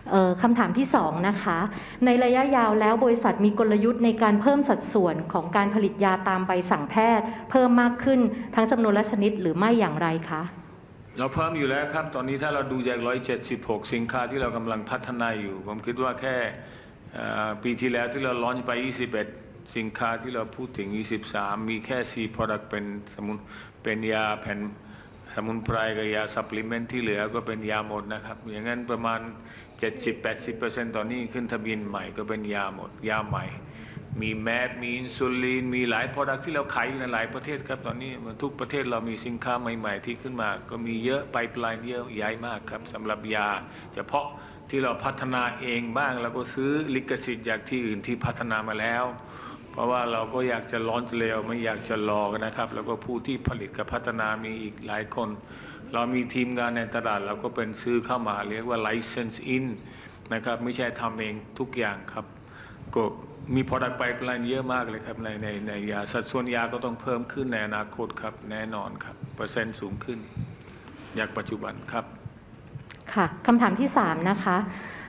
แล้วก็ Capacity ในการแพ็คก็มากขึ้นด้วยครับแล้วก็มีที่เหลืออยู่ด้วยเพื่อขยายต่อครับค่ะคำถามที่สองนะคะในระยะยาวแล้วบริษัทมีกลยุทธ์ในการเพิ่มสัดส่วนของการผลิตยาตามใบสั่งแพทย์เพิ่มมากขึ้นทั้งจำนวนและชนิดหรือไม่อย่างไรคะเราเพิ่มอยู่แล้วครับตอนนี้ถ้าเราดูจากร้อยเจ็ดสิบหกสินค้าที่เรากำลังพัฒนาอยู่ผมคิดว่าแค่อย่างปีที่แล้วที่เรา launch ไปยี่สิบเอ็ดสินค้าที่เราพูดถึงยี่สิบสามมีแค่สี่ product เป็นสมุนเป็นยาแผนสมุนไพรกับยา supplement ที่เหลือก็เป็นยาหมดนะครับอย่างงั้นประมาณ 70%-80% ตอนนี้ขึ้นทะเบียนใหม่ก็เป็นยาหมดยาใหม่มี MABs มี Insulin มีหลาย product ที่เราขายอยู่ในหลายประเทศครับตอนนี้ทุกประเทศเรามีสินค้าใหม่ๆที่ขึ้นมาก็มีเยอะ pipeline เยอะใหญ่มากครับสำหรับยาเฉพาะที่เราพัฒนาเองบ้างแล้วก็ซื้อลิขสิทธิ์จากที่อื่นที่พัฒนามาแล้วเพราะว่าเราก็อยากจะ launch แล้วไม่อยากจะรอนะครับแล้วก็ผู้ที่ผลิตกับพัฒนามีอีกหลายคนเราทีมงานในตลาดเราก็ไปซื้อเข้ามาเรียกว่า License in นะครับไม่ใช่ทำเองทุกอย่างครับก็มี product pipeline เยอะมากเลยครับในสัดส่วนยาก็ต้องเพิ่มขึ้นในอนาคตครับแน่นอนครับเปอร์เซ็นต์สูงขึ้นจากปัจจุบันครับคำถามที่สามนะคะ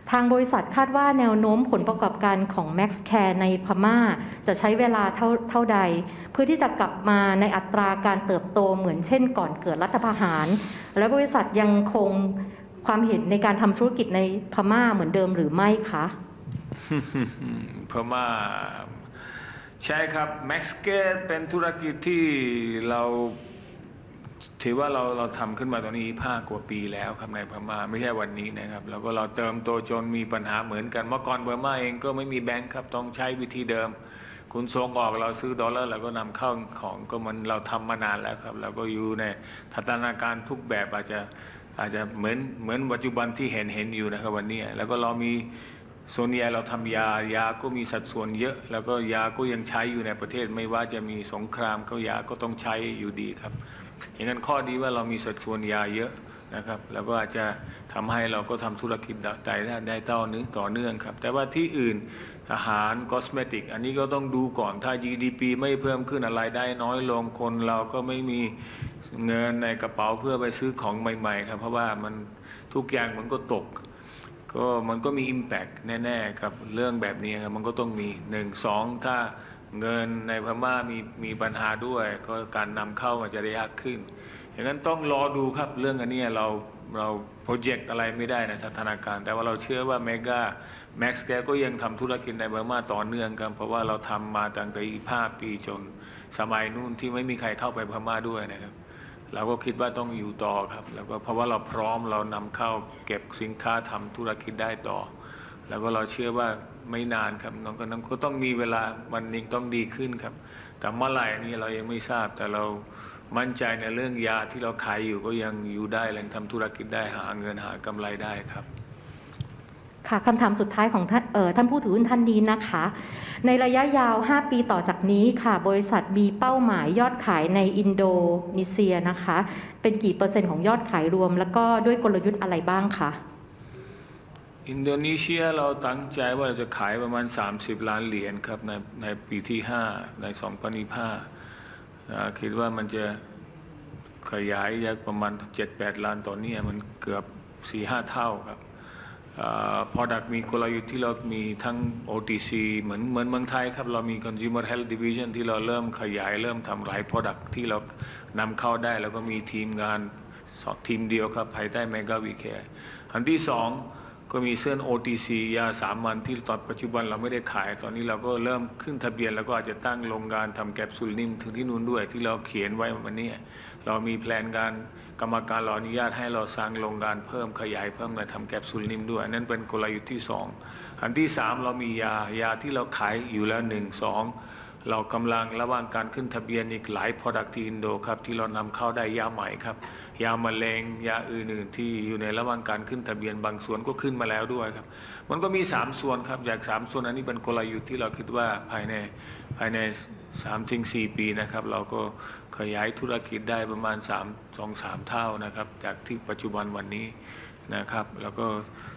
ทางบริษัทคาดว่าแนวโน้มผลประกอบการของ Maxxcare ในพม่าจะใช้เวลาเท่าใดเพื่อที่จะกลับมาในอัตราการเติบโตเหมือนเช่นก่อนเกิดรัฐประหารและบริษัทยังคงความเห็นในการทำธุรกิจในพม่าเหมือนเดิมหรือไม่คะพม่าใช่ครับ Maxxcare เป็นธุรกิจที่เราถือว่าเราทำขึ้นมาตอนนี้ยี่สิบห้ากว่าปีแล้วครับในพม่าไม่ใช่วันนี้นะครับแล้วก็เราเติบโตจนมีปัญหาเหมือนกันเมื่อก่อนพม่าเองก็ไม่มีแบงก์ครับต้องใช้วิธีเดิมคุณส่งออกเราซื้อดอลลาร์เราก็นำเข้าของก็เหมือนเราทำมานานแล้วครับแล้วก็อยู่ในสถานการณ์ทุกแบบอาจจะเหมือนปัจจุบันที่เห็นอยู่นะครับวันนี้แล้วก็เราส่วนใหญ่เราทำยายาก็มีสัดส่วนเยอะแล้วก็ยาก็ยังใช้อยู่ในประเทศไม่ว่าจะมีสงครามก็ยาก็ต้องใช้อยู่ดีครับอย่างนั้นข้อดีว่าเรามีสัดส่วนยาเยอะนะครับแล้วก็จะทำให้เราก็ทำธุรกิจได้ต่อเนื่องครับแต่ว่าที่อื่นอาหาร Cosmetic อันนี้ก็ต้องดูก่อนถ้า GDP ไม่เพิ่มขึ้นรายได้น้อยลงคนเราก็ไม่มีเงินในกระเป๋าเพื่อไปซื้อของใหม่ครับเพราะว่ามันทุกอย่างมันก็ตกก็มันก็มี Impact แน่ๆกับเรื่องแบบนี้ครับมันก็ต้องมีหนึ่งสองถ้าเงินในพม่ามีปัญหาด้วยก็การนำเข้ามันจะยากขึ้นฉะนั้นต้องรอดูครับเรื่องอันนี้เราจะ Project อะไรไม่ได้ในสถานการณ์แต่ว่าเราเชื่อว่า Mega Maxxcare ก็ยังทำธุรกิจในพม่าต่อเนื่องครับเพราะว่าเราทำมาตั้งแต่ยี่สิบห้าปีจนสมัยโน้นที่ไม่มีใครเข้าไปพม่าด้วยนะครับเราก็คิดว่าต้องอยู่ต่อครับแล้วก็เพราะว่าเราพร้อมเรานำเข้าเก็บสินค้าทำธุรกิจได้ต่อแล้วก็เราเชื่อว่าไม่นานครับระหว่างนั้นก็ต้องมีเวลาวันหนึ่งต้องดีขึ้นครับแต่เมื่อไหร่อันนี้เรายังไม่ทราบแต่เรามั่นใจในเรื่องยาที่เราขายอยู่ก็ยังอยู่ได้ยังทำธุรกิจได้หาเงินหากำไรได้ครับค่ะคำถามสุดท้ายของท่านเออท่านผู้ถือหุ้นท่านนี้นะคะในระยะยาวห้าปีต่อจากนี้ค่ะบริษัทมีเป้าหมายยอดขายในอินโดนีเซียนะคะเป็นกี่เปอร์เซ็นต์ของยอดขายรวมแล้วก็ด้วยกลยุทธ์อะไรบ้างคะอินโดนีเซียเราตั้งใจว่าจะขายประมาณ 30 ล้านเหรียญครับในปีที่ห้าใน 2025 คิดว่ามันจะขยายจากประมาณ 7-8 ล้านตอนนี้มันเกือบ 4-5 เท่าครับ Product มีกลยุทธ์ที่เรามีทั้ง OTC เหมือนเมืองไทยครับเรามี Consumer Health Division ที่เราเริ่มขยายเริ่มทำหลาย Product ที่เรานำเข้าได้แล้วก็มีทีมงานสองทีมเดียวครับภายใต้ Mega We Care อันที่สองก็มีเส้น OTC ยาสามัญที่ตอนปัจจุบันเราไม่ได้ขายตอนนี้เราก็เริ่มขึ้นทะเบียนเราก็อาจจะตั้งโรงงานทำแคปซูลนิ่มถึงที่นู่นด้วยที่เราเขียนไว้วันนี้เรามีแพลนการกรรมการรออนุญาตให้เราสร้างโรงงานเพิ่มขยายเพิ่มและทำแคปซูลนิ่มด้วยอันนั้นเป็นกลยุทธ์ที่สองอันที่สามเรามียายาที่เราขายอยู่แล้วหนึ่งสองเรากำลังระหว่างการขึ้นทะเบียนอีกหลาย Product ที่อินโดครับที่เรานำเข้าได้ยาใหม่ครับยาแมลงยาอื่นๆที่อยู่ในระหว่างการขึ้นทะเบียนบางส่วนก็ขึ้นมาแล้วด้วยครับมันก็มีสามส่วนครับจากสามส่วนอันนี้เป็นกลยุทธ์ที่เราคิดว่าภายในสามถึงสี่ปีนะครับ เราก็ขยายธุรกิจได้ประมาณสอง-สามเท่านะครับ จากที่ปัจจุบันวันนี้นะครับแล้วก็เปอร์เซ็นต์สัดส่วนเท่าไหร่อันนี้ยังจำไม่ได้ครับต้องดูว่ามันจากยอดขายปีที่ห้าปี 2025 มันเท่าไหร่น่าจะ 7-8% หรือ 5-6% ครับของทั้งหมดครับอินโดก็ประมาณอยู่นั่นนะครับประมาณ 5%-6% นะครับเพราะว่าหลักใหญ่ๆ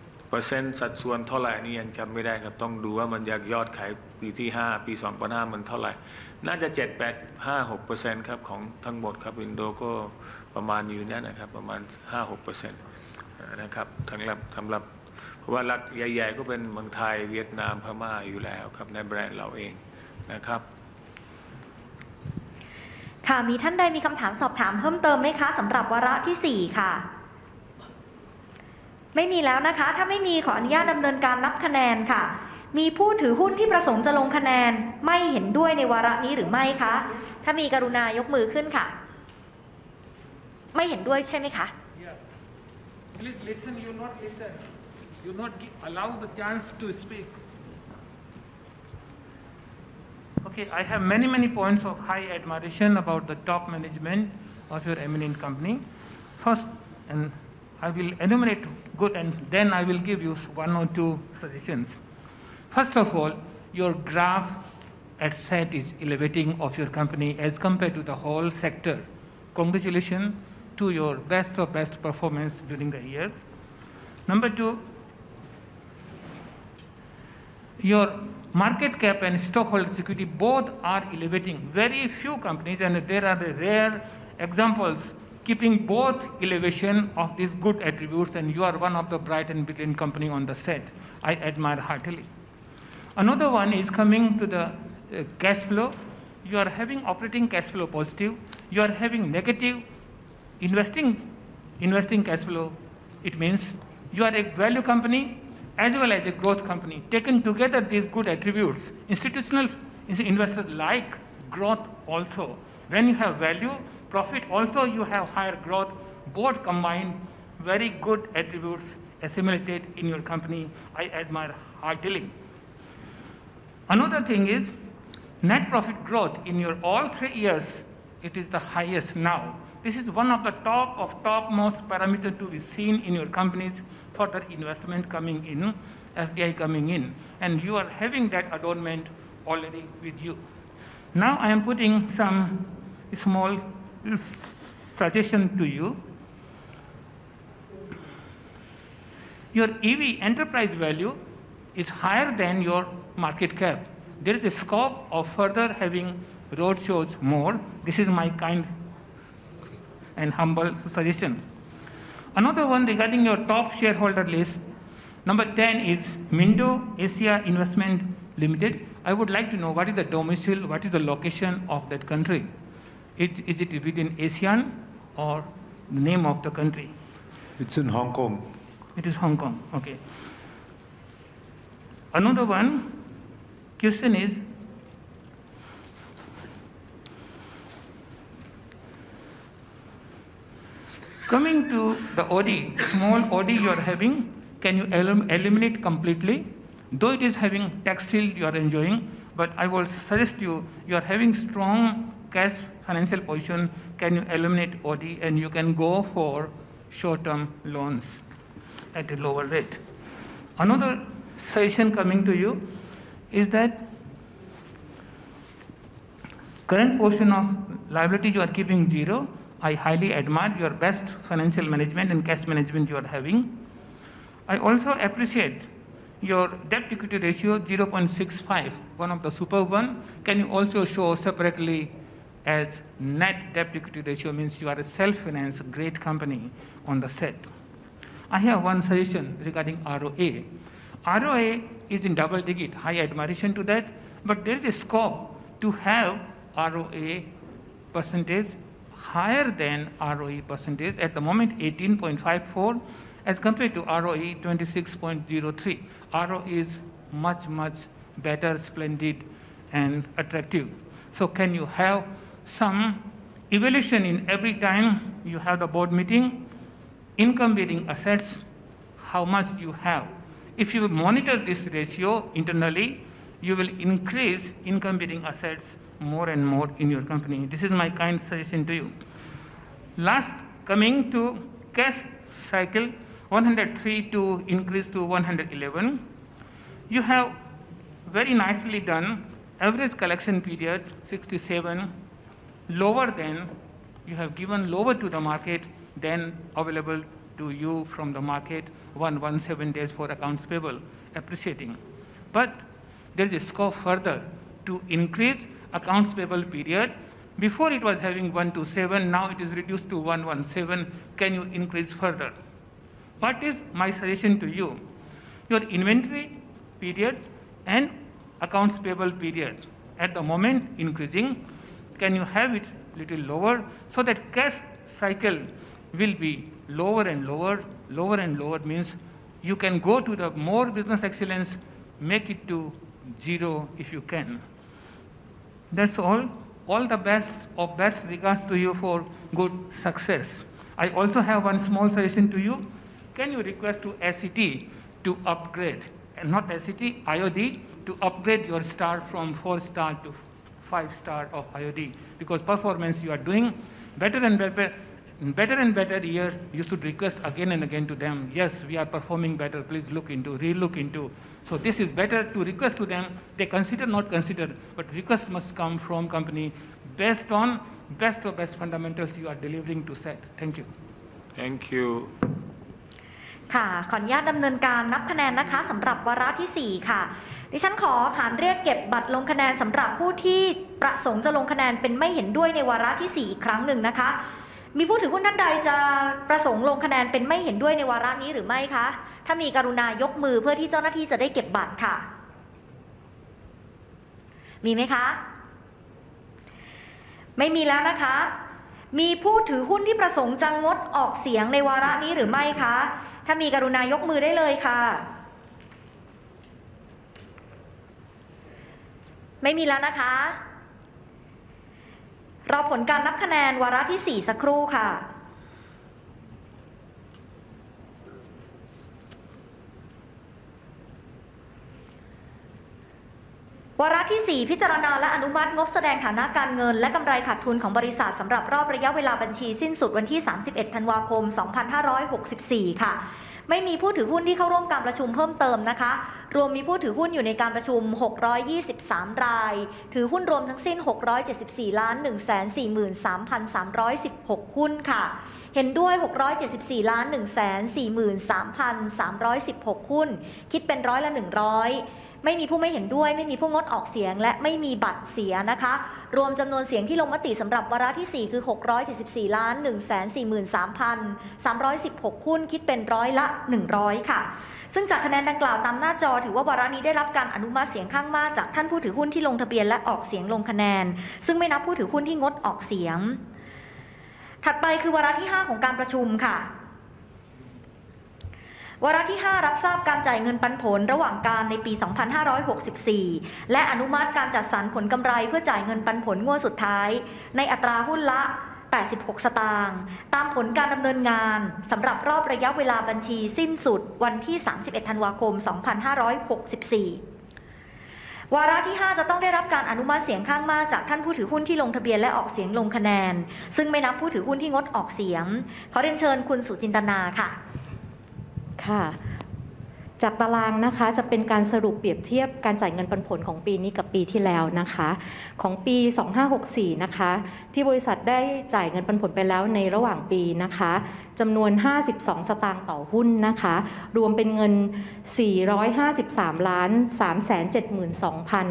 ก็เป็นเมืองไทยเวียดนามพม่าอยู่แล้วครับในแบรนด์เราเองนะครับมีท่านใดมีคำถามสอบถามเพิ่มเติมไหมคะสำหรับวาระที่สี่คะไม่มีแล้วนะคะถ้าไม่มีขออนุญาตดำเนินการนับคะแนนค่ะมีผู้ถือหุ้นที่ประสงค์จะลงคะแนนไม่เห็นด้วยในวาระนี้หรือไม่คะถ้ามีกรุณายกมือขึ้นค่ะไม่เห็นด้วยใช่ไหมคะ Yes. Please listen. You not listen. You not allow the chance to speak. Okay, I have many many points of high admiration about the top management of your eminent company. First, I will enumerate good and then I will give you one or two suggestions. First of all, your graph at SET is elevating of your company as compared to the whole sector. Congratulations to your best of best performance during the year. Number two, your market cap and stockholders' equity both are elevating. Very few companies and there are rare examples keeping both elevation of these good attributes and you are one of the bright and brilliant company on the SET. I admire heartily. Another one is coming to the cash flow. You are having operating cash flow positive. You are having negative investing cash flow. It means you are a value company as well as a growth company. Taken together these good attributes, institutional investor like growth also. When you have value profit also you have higher growth. Both combined very good attributes assimilated in your company. I admire heartily. Another thing is net profit growth in your all three years it is the highest now. This is one of the top of top-most parameters to be seen in your company's further investment coming in, FDI coming in, and you are having that adornment already with you. Now I am putting some small suggestion to you. Your EV enterprise value is higher than your market cap. There is a scope of further having roadshows more. This is my kind and humble suggestion. Another one regarding your top shareholder list. Number 10 is Mindo Asia Investments Limited. I would like to know what is the domicile, what is the location of that country? Is it within ASEAN or name of the country? It's in Hong Kong. It is Hong Kong. Okay. Another question is coming to the OD. Small OD you are having, can you eliminate completely? Though it is having tax shield you are enjoying, but I will suggest you are having strong cash financial position, can you eliminate OD and you can go for short-term loans at a lower rate. Another suggestion coming to you is that current portion of liability you are keeping zero. I highly admire your best financial management and cash management you are having. I also appreciate your debt-equity ratio 0.65x, one of the superb ones. Can you also show separately as net debt-equity ratio? It means you are a self-finance great company on the SET. I have one suggestion regarding ROA. ROA is in double-digit high in addition to that, but there is a scope to have ROA percentage higher than ROE percentage. At the moment 18.54% as compared to ROE 26.03%. RO is much much better splendid and attractive. Can you have some evaluation every time you have the board meeting income to assets how much you have. If you monitor this ratio internally you will increase income to assets more and more in your company. This is my kind suggestion to you. Last coming to cash cycle 103 to increase to 111. You have very nicely done average collection period 67 lower than you have given lower to the market than available to you from the market 117 days for accounts payable appreciating. There is a scope further to increase accounts payable period. Before it was having 127 now it is reduced to 117. Can you increase further? What is my suggestion to you? Your inventory period and accounts payable period at the moment increasing can you have it little lower so that cash cycle will be lower and lower. Lower and lower means you can go to the more business excellence make it to zero if you can. That's all. All the best of best regards to you for good success. I also have one small suggestion to you. Can you request to IOD to upgrade not SCT, IOD to upgrade your star from 4-star to 5 star of IOD? Because performance you are doing better and better year you should request again and again to them. Yes, we are performing better. Please look into, really look into—this is better to request to them. They consider but the request must come from company based on best fundamentals you are delivering to SET. Thank you. Thank you. มีไหมคะไม่มีแล้วนะคะมีผู้ถือหุ้นที่ประสงค์จะงดออกเสียงในวาระนี้หรือไม่คะถ้ามีกรุณายกมือได้เลยค่ะไม่มีแล้วนะคะรอผลการนับคะแนนวาระที่สี่สักครู่ค่ะวาระที่สี่พิจารณาและอนุมัติงบแสดงฐานะการเงินและกำไรขาดทุนของบริษัทสำหรับรอบระยะเวลาบัญชีสิ้นสุดวันที่ 31 ธันวาคม 2564 ค่ะไม่มีผู้ถือหุ้นที่เข้าร่วมการประชุมเพิ่มเติมนะคะรวมมีผู้ถือหุ้นอยู่ในการประชุม 623 รายถือหุ้นรวมทั้งสิ้น 674,143,316 หุ้นค่ะเห็นด้วย 674,143,316 หุ้นคิดเป็น 100% ไม่มีผู้ไม่เห็นด้วยไม่มีผู้งดออกเสียงและไม่มีบัตรเสียนะคะรวมจำนวนเสียงที่ลงมติสำหรับวาระที่สี่คือ 674,143,316 หุ้นคิดเป็น 100% ค่ะซึ่งจากคะแนนดังกล่าวตามหน้าจอถือว่าวาระนี้ได้รับการอนุมัติเสียงข้างมากจากท่านผู้ถือหุ้นที่ลงทะเบียนและออกเสียงลงคะแนนซึ่งไม่นับผู้ถือหุ้นที่งดออกเสียงถัดไปคือวาระที่ห้าของการประชุมค่ะวาระที่ห้ารับทราบการจ่ายเงินปันผลระหว่างกาลในปี 2564 และอนุมัติการจัดสรรผลกำไรเพื่อจ่ายเงินปันผลงวดสุดท้ายในอัตราหุ้นละ THB 0.86 ตามผลการดำเนินงานสำหรับรอบระยะเวลาบัญชีสิ้นสุดวันที่ 31 ธันวาคม 2564 วาระที่ห้าจะต้องได้รับการอนุมัติเสียงข้างมากจากท่านผู้ถือหุ้นที่ลงทะเบียนและออกเสียงลงคะแนนซึ่งไม่นับผู้ถือหุ้นที่งดออกเสียงขอเรียนเชิญคุณสุจินตนาค่ะจากตารางนะคะจะเป็นการสรุปเปรียบเทียบการจ่ายเงินปันผลของปีนี้กับปีที่แล้วนะคะของปี 2564 นะคะที่บริษัทได้จ่ายเงินปันผลไปแล้วในระหว่างปีนะคะจำนวน THB 0.52 ต่อหุ้นนะคะรวมเป็นเงิน 453,372,144 ค่ะแล้วก็ในส่วนที่จะขออนุมัติจัดสรรเพื่อจ่ายเงินปันผลงวดสุดท้ายนะคะจำนวน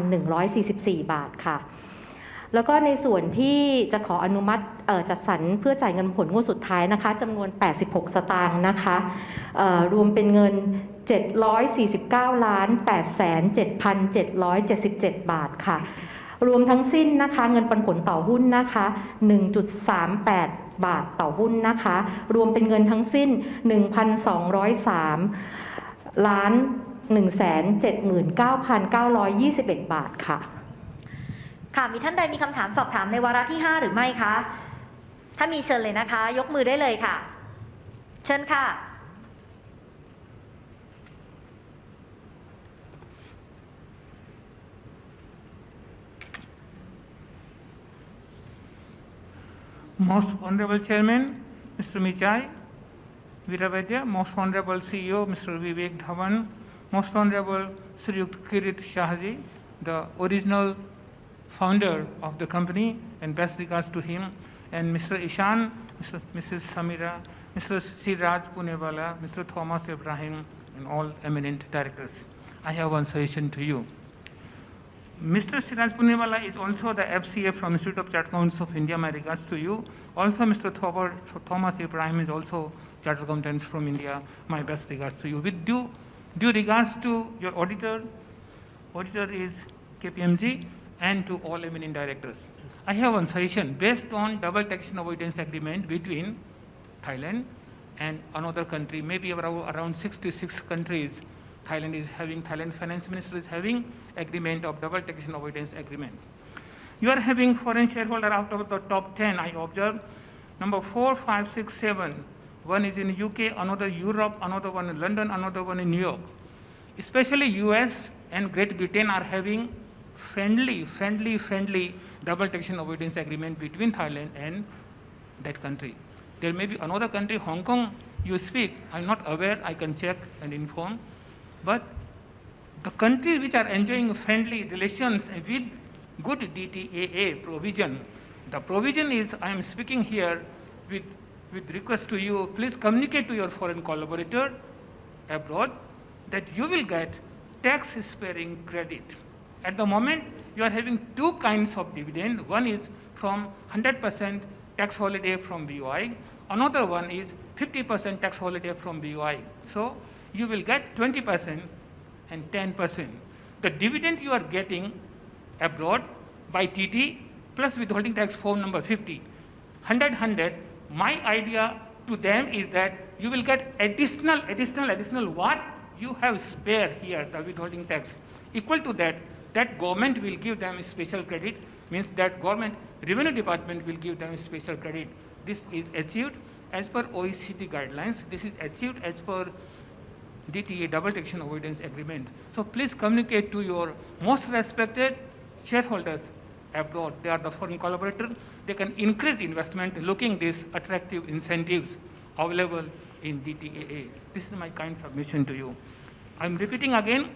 THB 0.86 นะคะรวมเป็นเงิน 749,807,777 ค่ะรวมทั้งสิ้นนะคะเงินปันผลต่อหุ้นนะคะมีท่านใดมีคำถามสอบถามในวาระที่ห้าหรือไม่คะถ้ามีเชิญเลยนะคะยกมือได้เลยค่ะเชิญค่ะ Most honorable Chairman, Mr. Mechai Viravaidya. Most honorable CEO, Mr. Vivek Dhawan. Most honorable Mr. Kirit Shah, the original Founder of the company and best regards to him. Mr. Ishaan, Mrs. Sameera, Mr. Shiraz Poonevala, Mr. Thomas Abraham and all eminent directors. I have one suggestion to you. Mr. Shiraz Poonevala is also the FCA from The Institute of Chartered Accountants of India. My regards to you. Also Mr. Thomas Abraham is also from the Institute of Chartered Accountants of India. My best regards to you. With due regards to your auditor is KPMG and to all eminent directors. I have one suggestion based on double taxation avoidance agreement between Thailand and another country maybe around 66 countries. Thailand is having. Thailand Finance Minister is having agreement of double taxation avoidance agreement. You are having foreign shareholder out of the top 10 I observed number four, five, six, seven. One is in U.K., another Europe, another one in London, another one in New York. Especially U.S. and Great Britain are having friendly double taxation avoidance agreement between Thailand and that country. There may be another country Hong Kong you speak I am not aware I can check and inform. But the country which are enjoying friendly relations with good DTAA provision. The provision is I am speaking here with request to you please communicate to your foreign collaborator abroad that you will get tax sparing credit. At the moment you are having two kinds of dividend. One is from 100% tax holiday from BOI. Another one is 50% tax holiday from BOI. You will get 20% and 10%. The dividend you are getting abroad by DT plus withholding tax form number 50. 100 my idea to them is that you will get additional what you have spare here the withholding tax equal to that government will give them a special credit means that government revenue department will give them a special credit. This is achieved as per OECD guidelines. This is achieved as per DTAA double taxation avoidance agreement. Please communicate to your most respected shareholders abroad. They are the foreign collaborator. They can increase investment looking this attractive incentives available in DTAA. This is my kind submission to you. I am repeating again,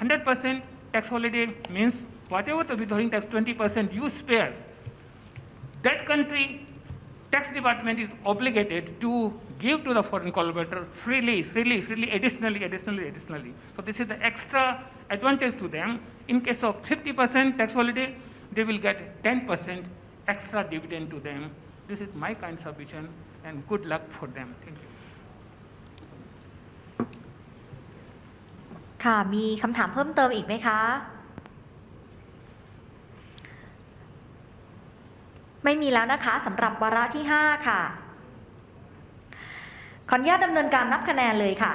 100% tax holiday means whatever the withholding tax 20% you spare that country tax department is obligated to give to the foreign collaborator freely, additionally. This is the extra advantage to them. In case of 50% tax holiday they will get 10% extra dividend to them. This is my kind submission and good luck for them. Thank you. มีคำถามเพิ่มเติมอีกไหมคะไม่มีแล้วนะคะสำหรับวาระที่ห้าค่ะขออนุญาตดำเนินการนับคะแนนเลยค่ะ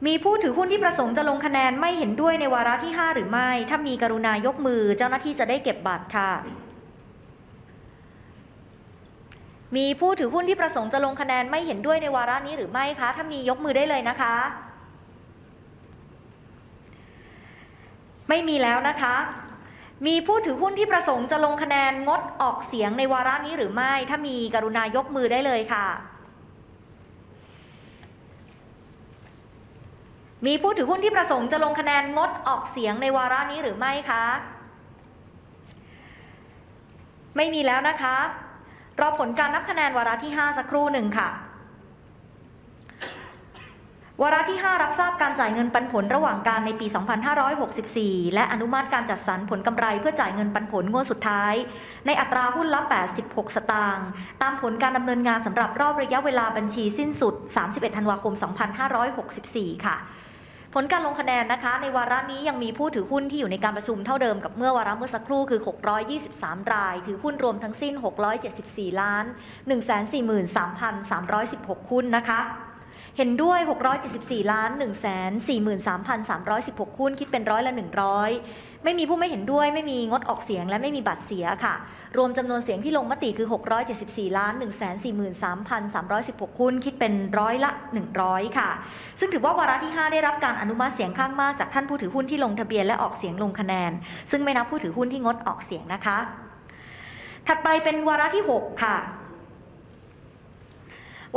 มีผู้ถือหุ้นที่ประสงค์จะลงคะแนนไม่เห็นด้วยในวาระที่ห้าหรือไม่ถ้ามีกรุณายกมือเจ้าหน้าที่จะได้เก็บบัตรค่ะมีผู้ถือหุ้นที่ประสงค์จะลงคะแนนไม่เห็นด้วยในวาระนี้หรือไม่คะถ้ามียกมือได้เลยนะคะไม่มีแล้วนะคะมีผู้ถือหุ้นที่ประสงค์จะลงคะแนนงดออกเสียงในวาระนี้หรือไม่ถ้ามีกรุณายกมือได้เลยค่ะมีผู้ถือหุ้นที่ประสงค์จะลงคะแนนงดออกเสียงในวาระนี้หรือไม่คะไม่มีแล้วนะคะรอผลการนับคะแนนวาระที่ห้าสักครู่หนึ่งค่ะวาระที่ห้ารับทราบการจ่ายเงินปันผลระหว่างกาลในปี 2564 และอนุมัติการจัดสรรผลกำไรเพื่อจ่ายเงินปันผลงวดสุดท้ายในอัตราหุ้นละ THB 0.86 ตามผลการดำเนินงานสำหรับรอบระยะเวลาบัญชีสิ้นสุด 31 ธันวาคม 2564 ค่ะผลการลงคะแนนนะคะในวาระนี้ยังมีผู้ถือหุ้นที่อยู่ในการประชุมเท่าเดิมกับเมื่อวาระเมื่อสักครู่คือ 623 รายถือหุ้นรวมทั้งสิ้น 674,143,316 หุ้นนะคะเห็นด้วย 674,143,316 หุ้นคิดเป็น 100% ไม่มีผู้ไม่เห็นด้วยไม่มีงดออกเสียงและไม่มีบัตรเสียค่ะรวมจำนวนเสียงที่ลงมติคือ 674,143,316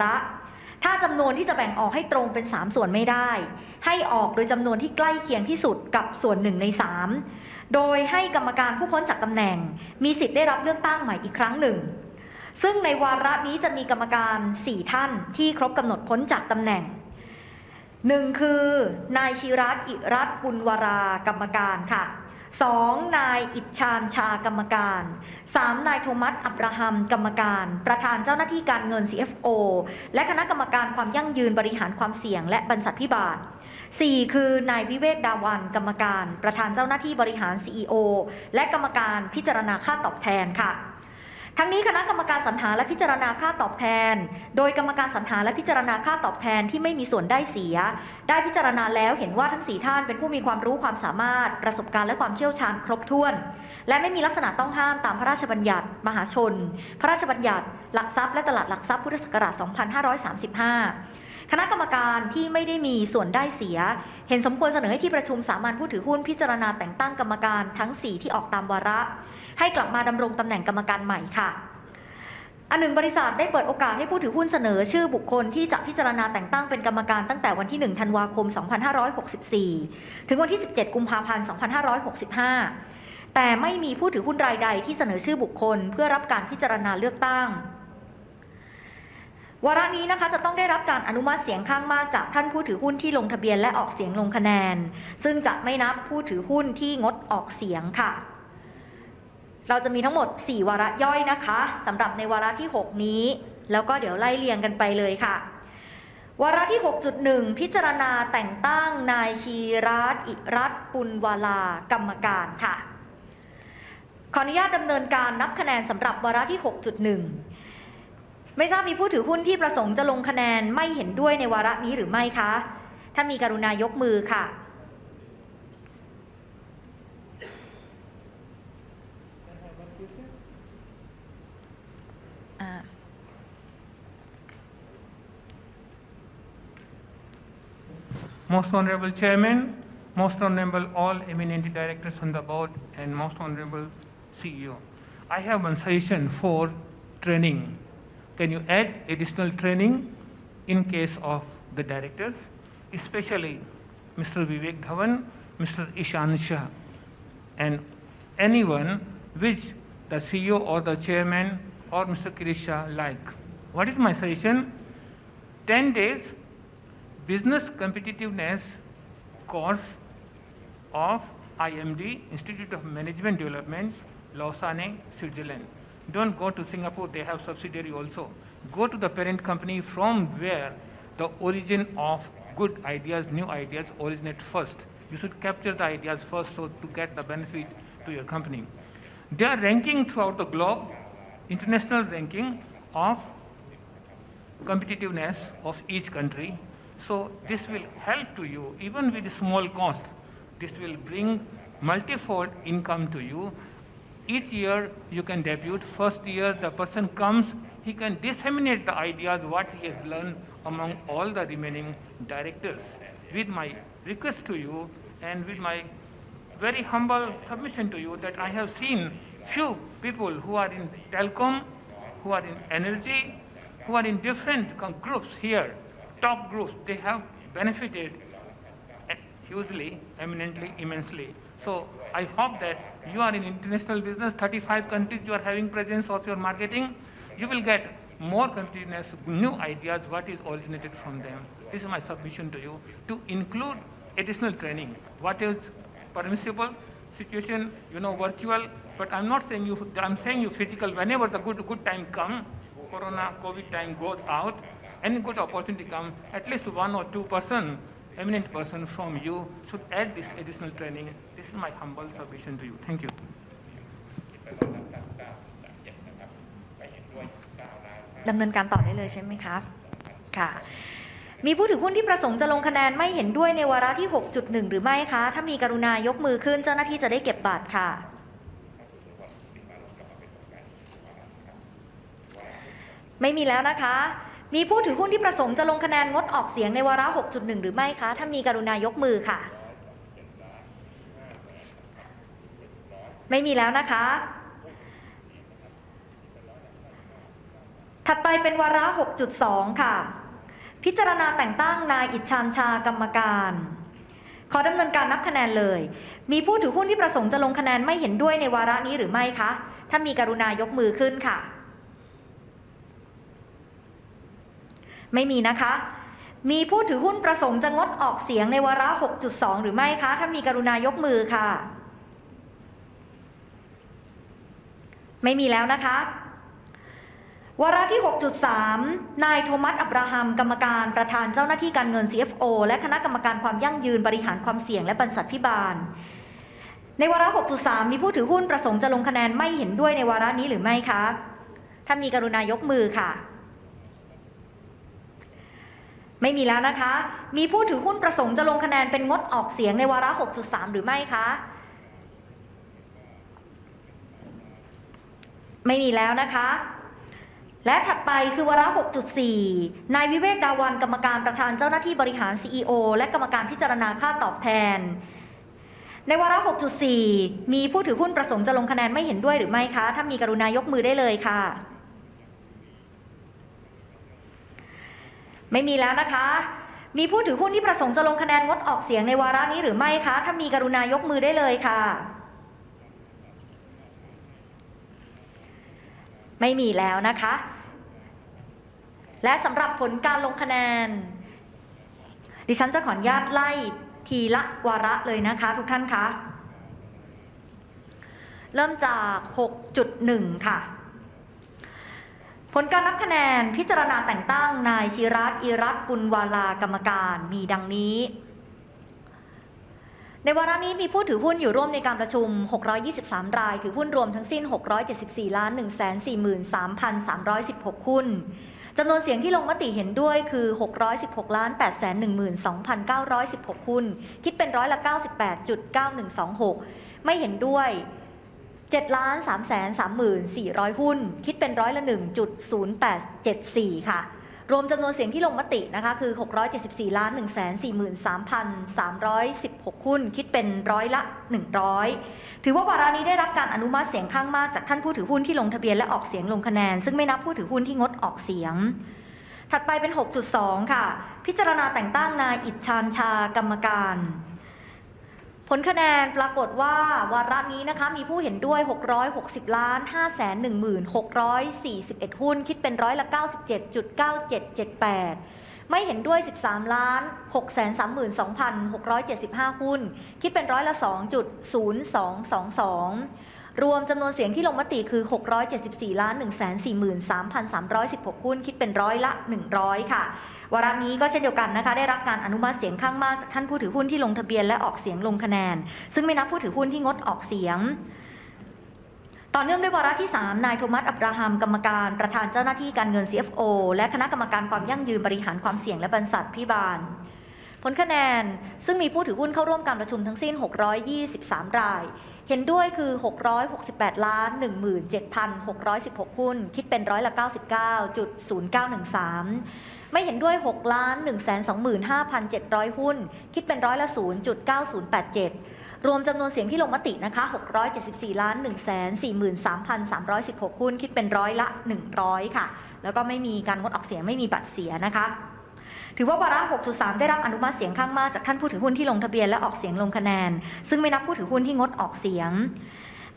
หุ้นคิดเป็นค่ะซึ่งถือว่าวาระที่ห้าได้รับการอนุมัติเสียงข้างมากจากท่านผู้ถือหุ้นที่ลงทะเบียนและออกเสียงลงคะแนนซึ่งไม่นับผู้ถือหุ้นที่งดออกเสียงนะคะถัดไปเป็นวาระที่หกค่ะวาระที่หกพิจารณาและอนุมัติการเลือกตั้งกรรมการแทนกรรมการที่ออกตามวาระในวาระนี้เดี๋ยวมีรายละเอียดที่ต้องชี้แจงสักนิดนึงนะคะทุกท่านค่ะตามที่พระราชบัญญัติบริษัทมหาชนมาตรา 70 และ 71 และข้อบังคับของบริษัทข้อที่ 16 และ 17 กำหนดว่าในการประชุมผู้ถือหุ้นสามัญประจำปีให้กรรมการจำนวนไม่น้อยกว่าหนึ่งในสามของจำนวนกรรมการทั้งหมดพ้นจากตำแหน่งวาระถ้าจำนวนที่จะแบ่งออกให้ตรงเป็นสามส่วนไม่ได้ให้ออกโดยจำนวนที่ใกล้เคียงที่สุดกับส่วนหนึ่งในสามโดยให้กรรมการผู้พ้นจากตำแหน่งมีสิทธิ์ได้รับเลือกตั้งใหม่อีกครั้งหนึ่งซึ่งในวาระนี้จะมีกรรมการสี่ท่านที่ครบกำหนดพ้นจากตำแหน่งหนึ่งคือนายชีราซปุณณวาลากรรมการค่ะสองนายอิชานชาห์กรรมการสามนายโทมัสอับราฮัมกรรมการประธานเจ้าหน้าที่การเงิน CFO และคณะกรรมการความยั่งยืนบริหารความเสี่ยงและบรรษัทภิบาลสี่คือนายวิเวกดาวันกรรมการประธานเจ้าหน้าที่บริหาร CEO และกรรมการพิจารณาค่าตอบแทนค่ะทั้งนี้คณะกรรมการสรรหาและพิจารณาค่าตอบแทนโดยกรรมการสรรหาและพิจารณาค่าตอบแทนที่ไม่มีส่วนได้เสียได้พิจารณาแล้วเห็นว่าทั้งสี่ท่านเป็นผู้มีความรู้ความสามารถประสบการณ์และความเชี่ยวชาญครบถ้วนและไม่มีลักษณะต้องห้ามตามพระราชบัญญัติมหาชนพระราชบัญญัติหลักทรัพย์และตลาดหลักทรัพย์พุทธศักราช 2535 คณะกรรมการที่ไม่ได้มีส่วนได้เสียเห็นสมควรเสนอให้ที่ประชุมสามัญผู้ถือหุ้นพิจารณาแต่งตั้งกรรมการทั้งสี่ที่ออกตามวาระให้กลับมาดำรงตำแหน่งกรรมการใหม่ค่ะอนึ่งบริษัทได้เปิดโอกาสให้ผู้ถือหุ้นเสนอชื่อบุคคลที่จะพิจารณาแต่งตั้งเป็นกรรมการตั้งแต่วันที่ 1 ธันวาคม 2564 ถึงวันที่ 17 กุมภาพันธ์ 2565 แต่ไม่มีผู้ถือหุ้นรายใดที่เสนอชื่อบุคคลเพื่อรับการพิจารณาเลือกตั้งวาระนี้นะคะจะต้องได้รับการอนุมัติเสียงข้างมากจากท่านผู้ถือหุ้นที่ลงทะเบียนและออกเสียงลงคะแนนซึ่งจะไม่นับผู้ถือหุ้นที่งดออกเสียงค่ะเราจะมีทั้งหมดสี่วาระย่อยนะคะสำหรับในวาระที่หกนี้แล้วก็เดี๋ยวไล่เรียงกันไปเลยค่ะวาระที่ 6.1 พิจารณาแต่งตั้งนายชีราซปุณณวาลากรรมการค่ะขออนุญาตดำเนินการนับคะแนนสำหรับวาระที่ 6.1 ไม่ทราบมีผู้ถือหุ้นที่ประสงค์จะลงคะแนนไม่เห็นด้วยในวาระนี้หรือไม่คะถ้ามีกรุณายกมือค่ะ Most honorable chairman. Most honorable all eminent directors on the board and most honorable CEO. I have one suggestion for training. Can you add additional training in case of the directors especially Mr. Vivek Dhawan, Mr. Ishaan Shah and anyone which the CEO or the Chairman or Mr. Kirit Shah like. What is my suggestion 10 days business competitiveness course of IMD, International Institute for Management Development Lausanne, Switzerland. Don't go to Singapore they have subsidiary also. Go to the parent company from where the origin of good ideas new ideas originate first. You should capture the ideas first so to get the benefit to your company. They are ranking throughout the globe. International ranking of competitiveness of each country. So this will help to you even with small cost. This will bring multifold income to you. Each year you can depute, first year the person comes he can disseminate the ideas what he has learned among all the remaining directors. With my request to you and with my very humble submission to you that I have seen few people who are in telecom, who are in energy, who are in different groups here top groups they have benefited hugely eminently immensely. I hope that you are in international business 35 countries you are having presence of your marketing you will get more competitiveness new ideas what is originated from them. This is my submission to you to include additional training what is permissible situation, you know, virtual, but I'm not saying you—I'm saying you physical whenever the good time come. COVID-19 time goes out any good opportunity come at least one or two person, eminent person from you should add this additional training. This is my humble submission to you. Thank you. ดำเนินการต่อได้เลยถ้ามีกรุณายกมือขึ้นเจ้าหน้าที่จะได้เก็บบัตรค่ะไม่มีแล้วนะคะมีผู้ถือหุ้นที่ประสงค์จะลงคะแนนงดออกเสียงในวาระ 6.1 หรือไม่คะถ้ามีกรุณายกมือค่ะไม่มีแล้วนะคะถัดไปเป็นวาระ 6.2 ค่ะพิจารณาแต่งตั้งนายอิชานชาห์กรรมการขอดำเนินการนับคะแนนเลยมีผู้ถือหุ้นที่ประสงค์จะลงคะแนนไม่เห็นด้วยในวาระนี้หรือไม่คะถ้ามีกรุณายกมือขึ้นค่ะไม่มีนะคะมีผู้ถือหุ้นประสงค์จะงดออกเสียงในวาระ 6.2 หรือไม่คะถ้ามีกรุณายกมือค่ะไม่มีแล้วนะคะวาระที่ 6.3 นายโทมัสอับราฮัมกรรมการประธานเจ้าหน้าที่การเงิน CFO และคณะกรรมการความยั่งยืนบริหารความเสี่ยงและบรรษัทภิบาลในวาระ 6.3 มีผู้ถือหุ้นประสงค์จะลงคะแนนไม่เห็นด้วยในวาระนี้หรือไม่คะถ้ามีกรุณายกมือค่ะไม่มีแล้วนะคะมีผู้ถือหุ้นประสงค์จะลงคะแนนเป็นงดออกเสียงในวาระ 6.3 หรือไม่คะไม่มีแล้วนะคะและถัดไปคือวาระ 6.4 นายวิเวกดาวันกรรมการประธานเจ้าหน้าที่บริหาร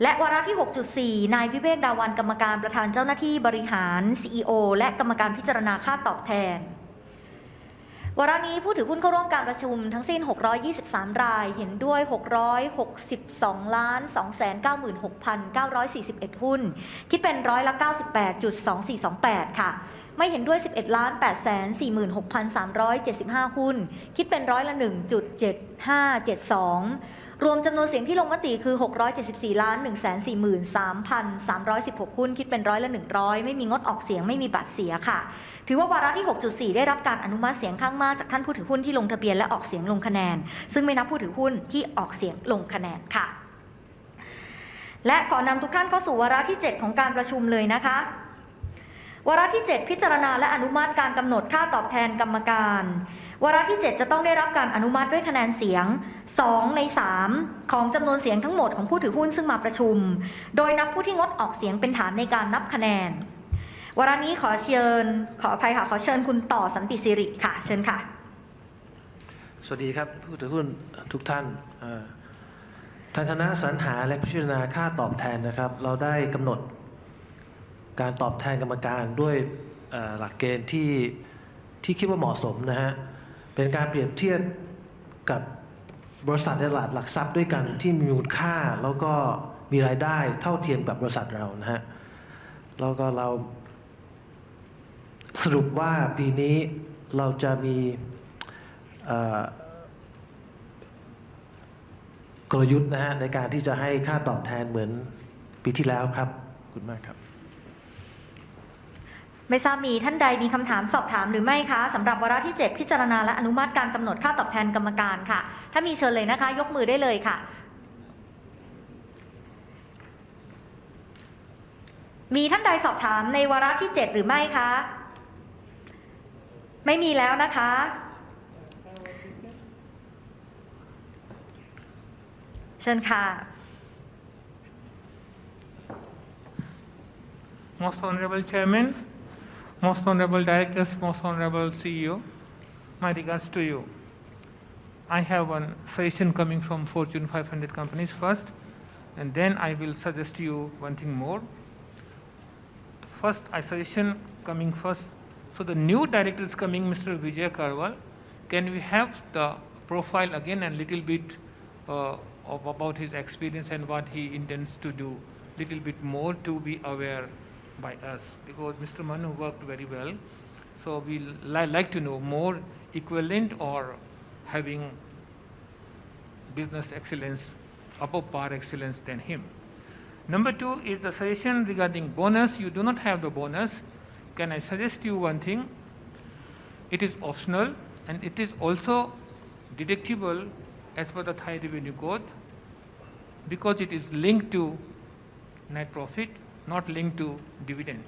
CEO และกรรมการพิจารณาค่าตอบแทนในวาระ 6.4 มีผู้ถือหุ้นประสงค์จะลงคะแนนไม่เห็นด้วยหรือไม่คะถ้ามีกรุณายกมือได้เลยค่ะไม่มีแล้วนะคะมีผู้ถือหุ้นที่ประสงค์จะลงคะแนนงดออกเสียงในวาระนี้หรือไม่คะถ้ามีกรุณายกมือได้เลยค่ะไม่มีแล้วนะคะและสำหรับผลการลงคะแนนดิฉันจะขออนุญาตไล่ทีละวาระเลยนะคะทุกท่านค่ะเริ่มจากหกจุดหนึ่งค่ะผลการนับคะแนนพิจารณาแต่งตั้งนายชีราซอีรัชปุณณวาลากรรมการมีดังนี้ในวาระนี้มีผู้ถือหุ้นอยู่ร่วมในการประชุม 623 รายถือหุ้นรวมทั้งสิ้น 674,143,316 หุ้นจำนวนเสียงที่ลงมติเห็นด้วยคือ 616,812,916 หุ้นคิดเป็น 98.9126% ไม่เห็นด้วย 7,330,400 หุ้นคิดเป็น 1.0874% ค่ะรวมจำนวนเสียงที่ลงมตินะคะคือ 674,143,316 หุ้นคิดเป็น 100% ถือว่าวาระนี้ได้รับการอนุมัติเสียงข้างมากจากท่านผู้ถือหุ้นที่ลงทะเบียนและออกเสียงลงคะแนนซึ่งไม่นับผู้ถือหุ้นที่งดออกเสียงถัดไปเป็นหกจุดสองค่ะพิจารณาแต่งตั้งนายอิชานชาห์กรรมการผลคะแนนปรากฏว่าวาระนี้นะคะมีผู้เห็นด้วย 660,510,641 หุ้นคิดเป็น 97.9778% ไม่เห็นด้วย 13,632,675 หุ้นคิดเป็น 2.0222% รวมจำนวนเสียงที่ลงมติคือ 674,143,316 หุ้นคิดเป็น 100% ค่ะวาระนี้ก็เช่นเดียวกันนะคะได้รับการอนุมัติเสียงข้างมากจากท่านผู้ถือหุ้นที่ลงทะเบียนและออกเสียงลงคะแนนซึ่งไม่นับผู้ถือหุ้นที่งดออกเสียงต่อเนื่องด้วยวาระที่สามนายโทมัสอับราฮัมกรรมการประธานเจ้าหน้าที่การเงิน CFO และคณะกรรมการความยั่งยืนบริหารความเสี่ยงและบรรษัทภิบาลผลคะแนนซึ่งมีผู้ถือหุ้นเข้าร่วมการประชุมทั้งสิ้น 623 รายเห็นด้วยคือ 668,017,616 หุ้นคิดเป็น 99.0913% ไม่เห็นด้วย 6,125,700 หุ้นคิดเป็น 0.9087% รวมจำนวนเสียงที่ลงมตินะคะ 674,143,316 หุ้นคิดเป็น 100% ค่ะแล้วก็ไม่มีการงดออกเสียงไม่มีบัตรเสียนะคะถือว่าวาระหกจุดสามได้รับอนุมัติเสียงข้างมากจากท่านผู้ถือหุ้นที่ลงทะเบียนและออกเสียงลงคะแนนซึ่งไม่นับผู้ถือหุ้นที่งดออกเสียงและวาระที่หกจุดสี่นายวิเวกดาวันกรรมการประธานเจ้าหน้าที่บริหาร CEO และกรรมการพิจารณาค่าตอบแทนวาระนี้ผู้ถือหุ้นเข้าร่วมการประชุมทั้งสิ้น 623 รายเห็นด้วย 662,296,941 หุ้นคิดเป็น 98.2428% ค่ะไม่เห็นด้วย 11,846,375 หุ้นคิดเป็น 1.7572% รวมจำนวนเสียงที่ลงมติคือ 674,143,316 หุ้นคิดเป็น 100% ไม่มีงดออกเสียงไม่มีบัตรเสียค่ะถือว่าวาระที่หกจุดสี่ได้รับการอนุมัติเสียงข้างมากจากท่านผู้ถือหุ้นที่ลงทะเบียนและออกเสียงลงคะแนนซึ่งไม่นับผู้ถือหุ้นที่ออกเสียงลงคะแนนค่ะและขอนำทุกท่านเข้าสู่วาระที่เจ็ดของการประชุมเลยนะคะวาระที่เจ็ดพิจารณาและอนุมัติการกำหนดค่าตอบแทนกรรมการแล้วก็เราสรุปว่าปีนี้เราจะมีกลยุทธ์นะฮะในการที่จะให้ค่าตอบแทนเหมือนปีที่แล้วครับขอบคุณมากครับไม่ทราบมีท่านใดมีคำถามสอบถามหรือไม่คะสำหรับวาระที่เจ็ดพิจารณาและอนุมัติการกำหนดค่าตอบแทนกรรมการค่ะถ้ามีเชิญเลยนะคะยกมือได้เลยค่ะมีท่านใดสอบถามในวาระที่เจ็ดหรือไม่คะไม่มีแล้วนะคะเชิญค่ะ Most honorable Chairman, most honorable Directors, most honorable CEO. My regards to you. I have one suggestion coming from Fortune 500 companies first and then I will suggest to you one thing more. First I suggestion coming first for the new directors coming Mr. Vijay Karwal. Can we have the profile again a little bit of about his experience and what he intends to do little bit more to be aware by us. Because Mr. Manu worked very well so we like to know more equivalent or having business excellence above par excellence than him. Number two is the suggestion regarding bonus. You do not have the bonus. Can I suggest you one thing? It is optional and it is also deductible as per the Thai Revenue Code because it is linked to net profit, not linked to dividend.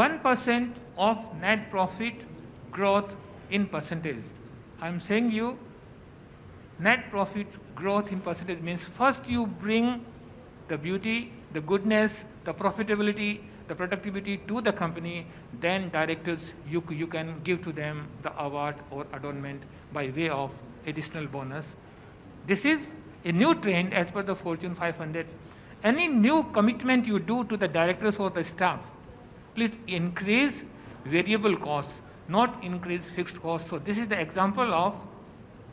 One percent of net profit growth in percentage. I'm saying your net profit growth in percentage means first you bring the beauty, the goodness, the profitability, the productivity to the company then, directors, you can give to them the award or adornment by way of additional bonus. This is a new trend as per the Fortune 500. Any new commitment you do to the directors or the staff, please increase variable costs, not increase fixed costs. This is the example of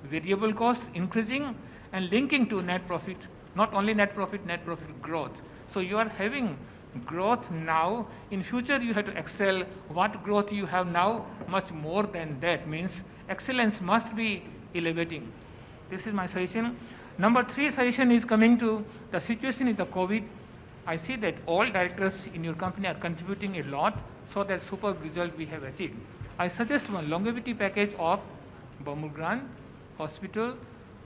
variable costs increasing and linking to net profit, not only net profit, net profit growth. You are having growth now. In future you have to excel what growth you have now much more than that means excellence must be elevating. This is my suggestion. Number three suggestion is coming to the situation in the COVID. I see that all directors in your company are contributing a lot so that superb result we have achieved. I suggest one longevity package of Bumrungrad Hospital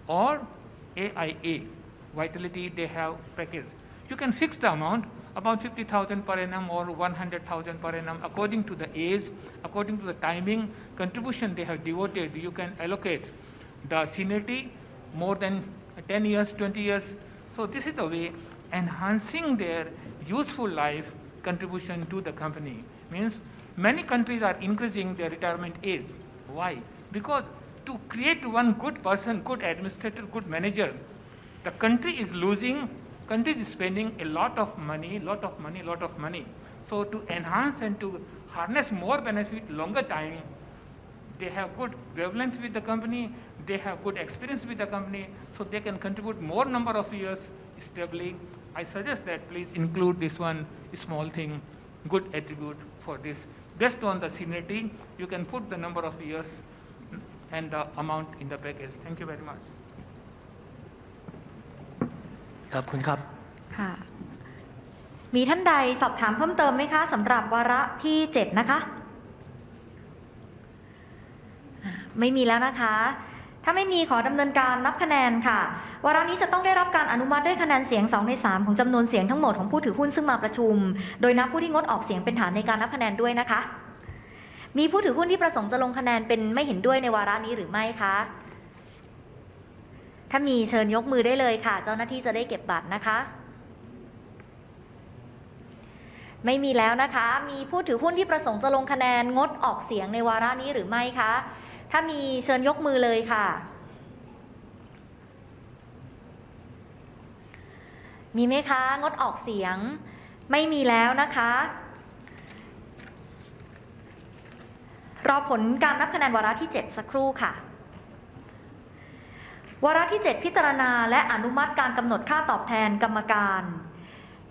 or AIA Vitality. They have package. You can fix the amount about 50,000 per annum or 100,000 per annum according to the age, according to the timing contribution they have devoted. You can allocate the seniority more than 10 years, 20 years. This is the way to enhance their useful life contribution to the company. Means many countries are increasing their retirement age. Why? Because to create one good person, good administrator, good manager, the country is losing, country is spending a lot of money. To enhance and to harness more benefit longer time, they have good relevance with the company, they have good experience with the company, so they can contribute more number of years stably. I suggest that please include this one small thing; good attribute for this. Based on the seniority, you can put the number of years and the amount in the package. Thank you very much. ขอบคุณครับมีท่านใดสอบถามเพิ่มเติมไหมคะสำหรับวาระที่เจ็ดนะคะไม่มีแล้วนะคะถ้าไม่มีขอดำเนินการนับคะแนนค่ะเชิญยกมือเลยค่ะมีไหมคะงดออกเสียงไม่มีแล้วนะคะรอผลการนับคะแนนวาระที่เจ็ดสักครู่ค่ะวาระที่เจ็ดพิจารณาและอนุมัติการกำหนดค่าตอบแทนกรรมการวาระนี้มีผู้เข้าร่วมการประชุมทั้งสิ้น 623 รายถือหุ้นรวมทั้งสิ้น 674,143,316 หุ้นค่ะเสียงที่ลงมติเห็นด้วยคือ 674,141,816 หุ้น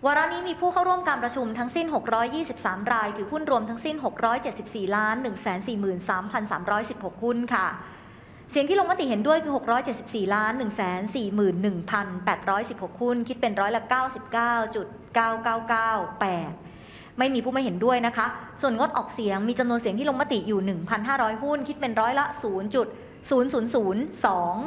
คิดเป็น 99.9998% ไม่มีผู้ไม่เห็นด้วยนะคะ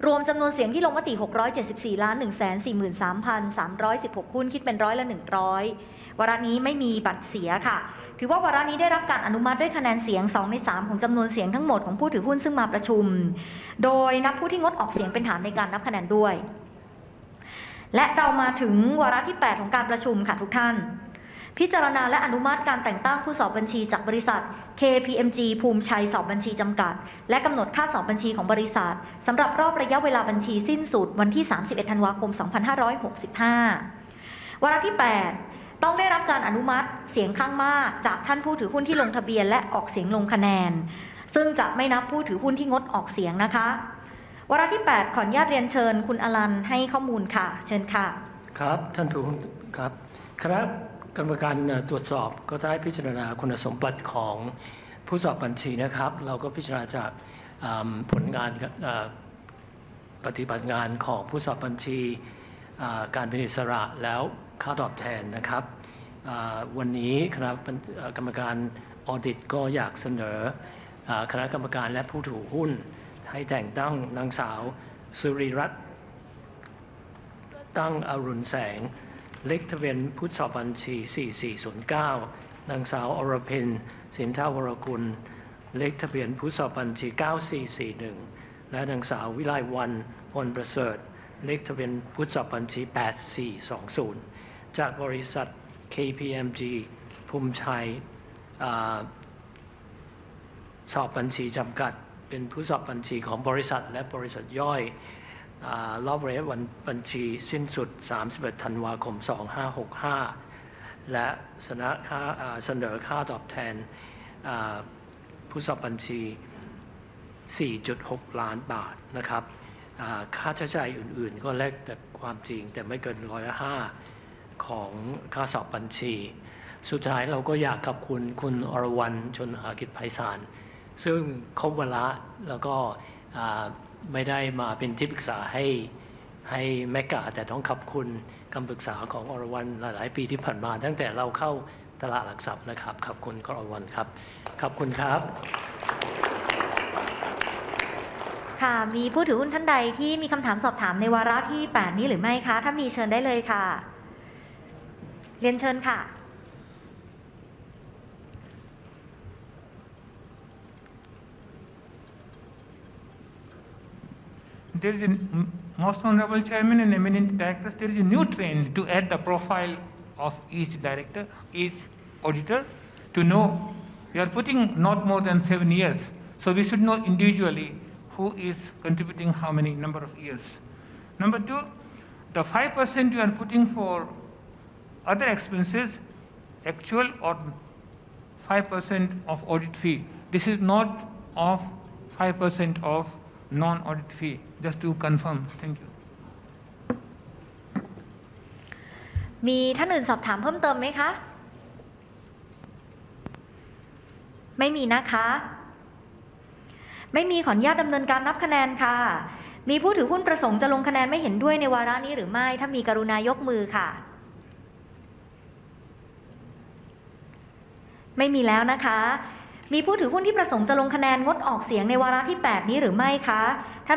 ส่วนงดออกเสียงมีจำนวนเสียงที่ลงมติอยู่ 1,500 หุ้นคิดเป็น 0.0002% รวมจำนวนเสียงที่ลงมติ 674,143,316 หุ้นคิดเป็น 100% วาระนี้ไม่มีบัตรเสียค่ะถือว่าวาระนี้ได้รับการอนุมัติด้วยคะแนนเสียงสองในสามของจำนวนเสียงทั้งหมดของผู้ถือหุ้นซึ่งมาประชุมโดยนับผู้ที่งดออกเสียงเป็นฐานในการนับคะแนนด้วยและเรามาถึงวาระที่แปดของการประชุมค่ะทุกท่านพิจารณาและอนุมัติการแต่งตั้งผู้สอบบัญชีจากบริษัท KPMG ภูมิไชยสอบบัญชีจำกัดและกำหนดค่าสอบบัญชีของบริษัทสำหรับรอบระยะเวลาบัญชีสิ้นสุดวันที่ 31 ธันวาคม 2565 วาระที่แปดต้องได้รับการอนุมัติเสียงข้างมากจากท่านผู้ถือหุ้นที่ลงทะเบียนและออกเสียงลงคะแนนซึ่งจะไม่นับผู้ถือหุ้นที่งดออกเสียงนะคะวาระที่แปดขออนุญาตเรียนเชิญคุณอลันแคมให้ข้อมูลค่ะเชิญค่ะคณะกรรมการตรวจสอบได้พิจารณาคุณสมบัติของผู้สอบบัญชีครับเราก็พิจารณาจากผลงานการปฏิบัติงานของผู้สอบบัญชีการเป็นอิสระและค่าตอบแทนครับวันนี้ครับกรรมการ Audit ก็อยากเสนอคณะกรรมการและผู้ถือหุ้นให้แต่งตั้งนางสาวสุรีรัตน์ทองอรุณแสงเลขทะเบียนผู้สอบบัญชี 4409 นางสาวอรพินทร์สินธาวรคุณเลขทะเบียนผู้สอบบัญชี 9441 และนางสาววิไลวรรณพลประเสริฐเลขทะเบียนผู้สอบบัญชี 8420 จากบริษัท KPMG ภูมิไชยสอบบัญชีจำกัดเป็นผู้สอบบัญชีของบริษัทและบริษัทย่อยรอบระยะวันบัญชีสิ้นสุด 31 ธันวาคม 2565 และเสนอค่าตอบแทนผู้สอบบัญชี 4.6 ล้านบาทครับค่าใช้จ่ายอื่นๆก็แล้วแต่ความจริงแต่ไม่เกิน 5% ของค่าสอบบัญชีสุดท้ายเราก็อยากขอบคุณคุณอรวรรณชุณหกิจไพศาลซึ่งครบวาระแล้วและไม่ได้มาเป็นที่ปรึกษาให้ Mega แต่ต้องขอบคุณคำปรึกษาของอรวรรณหลายๆปีที่ผ่านมาตั้งแต่เราเข้าตลาดหลักทรัพย์ครับขอบคุณคุณอรวรรณครับขอบคุณครับมีผู้ถือหุ้นท่านใดที่มีคำถามสอบถามในวาระที่แปดนี้หรือไม่คะถ้ามีเชิญได้เลยค่ะเรียนเชิญค่ะ There is a most honorable Chairman and eminent directors. There is a new trend to add the profile of each director, each auditor to know. We are putting not more than seven years, so we should know individually who is contributing how many number of years. Number two, the 5% we are putting for other expenses actual or 5% of audit fee. This is not 5% of non-audit fee. Just to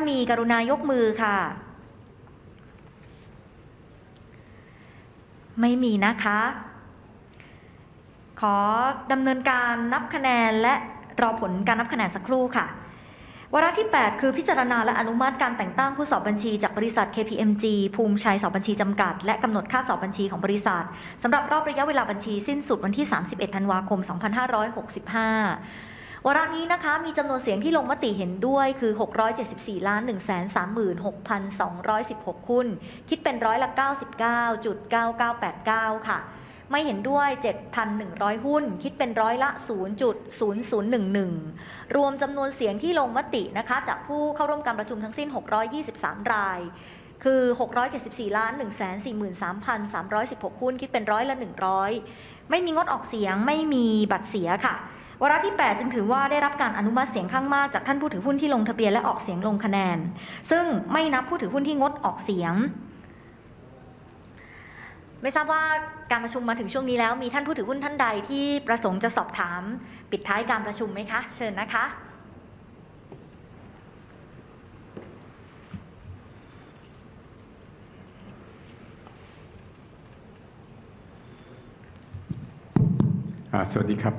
confirm.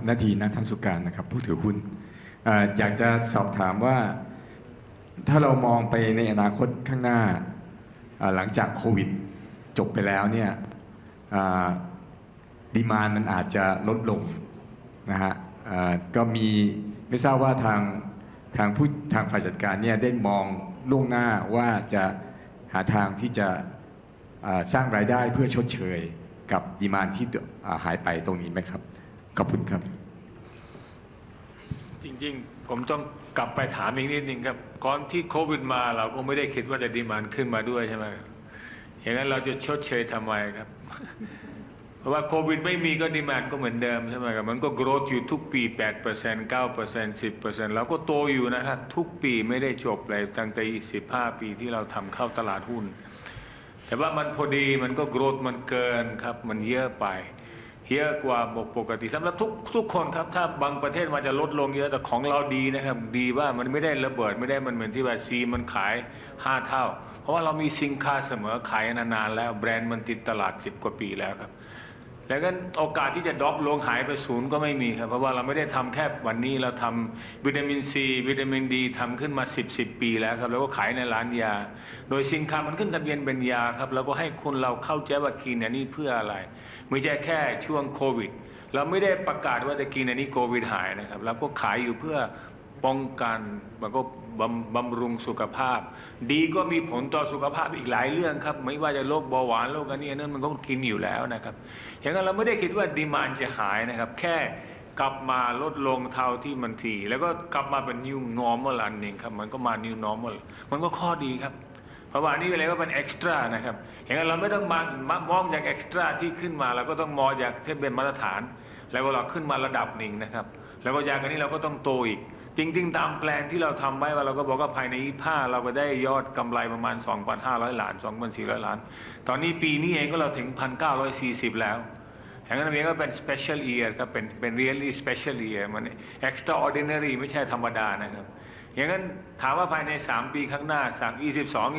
Thank you. มีท่านอื่นสอบถามเพิ่มเติมไหมคะไม่มีนะคะไม่มีขออนุญาตดำเนินการนับคะแนนค่ะมีผู้ถือหุ้นประสงค์จะลงคะแนนไม่เห็นด้วยในวาระนี้หรือไม่ถ้ามีกรุณายกมือค่ะไม่มีแล้วนะคะมีผู้ถือหุ้นที่ประสงค์จะลงคะแนนงดออกเสียงในวาระที่แปดนี้หรือไม่คะถ้ามีกรุณายกมือค่ะไม่มีนะคะขอดำเนินการนับคะแนนและรอผลการนับคะแนนสักครู่ค่ะวาระที่แปดคือพิจารณาและอนุมัติการแต่งตั้งผู้สอบบัญชีจากบริษัท KPMG ภูมิไชยสอบบัญชีจำกัดและกำหนดค่าสอบบัญชีของบริษัทสำหรับรอบระยะเวลาบัญชีสิ้นสุดวันที่ 31 ธันวาคม 2565 วาระนี้นะคะมีจำนวนเสียงที่ลงมติเห็นด้วยคือ 674,136,216 หุ้นคิดเป็น 99.9989% ไม่เห็นด้วย 7,100 หุ้นคิดเป็น 0.0011% รวมจำนวนเสียงที่ลงมตินะคะจากผู้เข้าร่วมการประชุมทั้งสิ้น 623 รายคือ 674,143,316 หุ้นคิดเป็น 100% ไม่มีงดออกเสียงไม่มีบัตรเสียค่ะวาระที่แปดจึงถือว่าได้รับการอนุมัติเสียงข้างมากจากท่านผู้ถือหุ้นที่ลงทะเบียนและออกเสียงลงคะแนนซึ่งไม่นับผู้ถือหุ้นที่งดออกเสียงไม่ทราบว่าการประชุมมาถึงช่วงนี้แล้วมีท่านผู้ถือหุ้นท่านใดที่ประสงค์จะสอบถามปิดท้ายการประชุมไหมคะเชิญนะคะสวัสดีครับนทีณท่าศุกานต์นะครับผู้ถือหุ้นอยากจะสอบถามว่าถ้าเรามองไปในอนาคตข้างหน้าหลังจาก COVID จบไปแล้วเนี่ย Demand มันอาจจะลดลงนะฮะก็ไม่ทราบว่าทางฝ่ายจัดการเนี่ยได้มองล่วงหน้าว่าจะหาทางที่จะสร้างรายได้เพื่อชดเชยกับ Demand ที่หายไปตรงนี้ไหมครับขอบคุณครับจริงๆผมต้องกลับไปถามอีกนิดนึงครับก่อนที่ COVID มาเราก็ไม่ได้คิดว่า Demand จะขึ้นมาด้วยใช่ไหมครับอย่างนั้นเราจะชดเชยทำไมครับเพราะว่า COVID ไม่มี Demand ก็เหมือนเดิมใช่ไหมครับมันก็ Growth อยู่ทุกปี 8% 9% 10% เราก็โตอยู่นะฮะทุกปีไม่ได้จบเลยตั้งแต่ 25 ปีที่เราทำเข้าตลาดหุ้นแต่ว่ามันพอดีมันก็ Growth มันเกินครับมันเยอะไปเยอะกว่าปกติสำหรับทุกๆคนครับถ้าบางประเทศมันจะลดลงเยอะแต่ของเราดีนะครับดีว่ามันไม่ได้ระเบิดไม่ได้มันเหมือนที่ว่า Nat C มันขายห้าเท่าเพราะว่าเรามีสินค้าเสมอขายนานๆแล้วแบรนด์มันติดตลาดสิบกว่าปีแล้วครับดังนั้นโอกาสที่จะ Drop ลงหายไปศูนย์ก็ไม่มีครับเพราะว่าเราไม่ได้ทำแค่วันนี้เราทำวิตามินซีวิตามินดีทำขึ้นมาสิบๆปีแล้วครับแล้วก็ขายในร้านยาโดยสินค้ามันขึ้นทะเบียนเป็นยาครับเราก็ให้คนเราเข้าใจว่ากินอันนี้เพื่ออะไรไม่ใช่แค่ช่วง COVID เราไม่ได้ประกาศว่าจะกินอันนี้ COVID หายนะครับเราก็ขายอยู่เพื่อป้องกันแล้วก็บำรุงสุขภาพดีก็มีผลต่อสุขภาพอีกหลายเรื่องครับไม่ว่าจะโรคเบาหวานโรคอันนี้อันนั้นมันก็กินอยู่แล้วนะครับอย่างนั้นเราไม่ได้คิดว่า Demand จะหายนะครับแค่กลับมาลดลงเท่าที่มันทีแล้วก็กลับมาเป็น New Normal อันหนึ่งครับมันก็มา New Normal มันก็ข้อดีครับเพราะว่าอันนี้เลยก็เป็น Extra นะครับอย่างนั้นเราไม่ต้องมามองจาก Extra ที่ขึ้นมาเราก็ต้องมองจากที่เป็นมาตรฐานแล้วเวลาขึ้นมาระดับหนึ่งนะครับแล้วยาอันนี้เราก็ต้องโตอีกจริงๆตาม Plan ที่เราทำไว้เราก็บอกว่าภายในปี 2025 เราก็ได้ยอดกำไรประมาณ THB 2,500 ล้าน THB 2,400 ล้านตอนนี้ปีนี้เองก็เราถึง THB 1,940 ล้านแล้วอย่างนั้นอันนี้ก็เป็น Special year ครับเป็น Really special year มัน Extraordinary ไม่ใช่ธรรมดานะครับอย่างนั้นถามว่าภายในสามปีข้างหน้า 2022 2023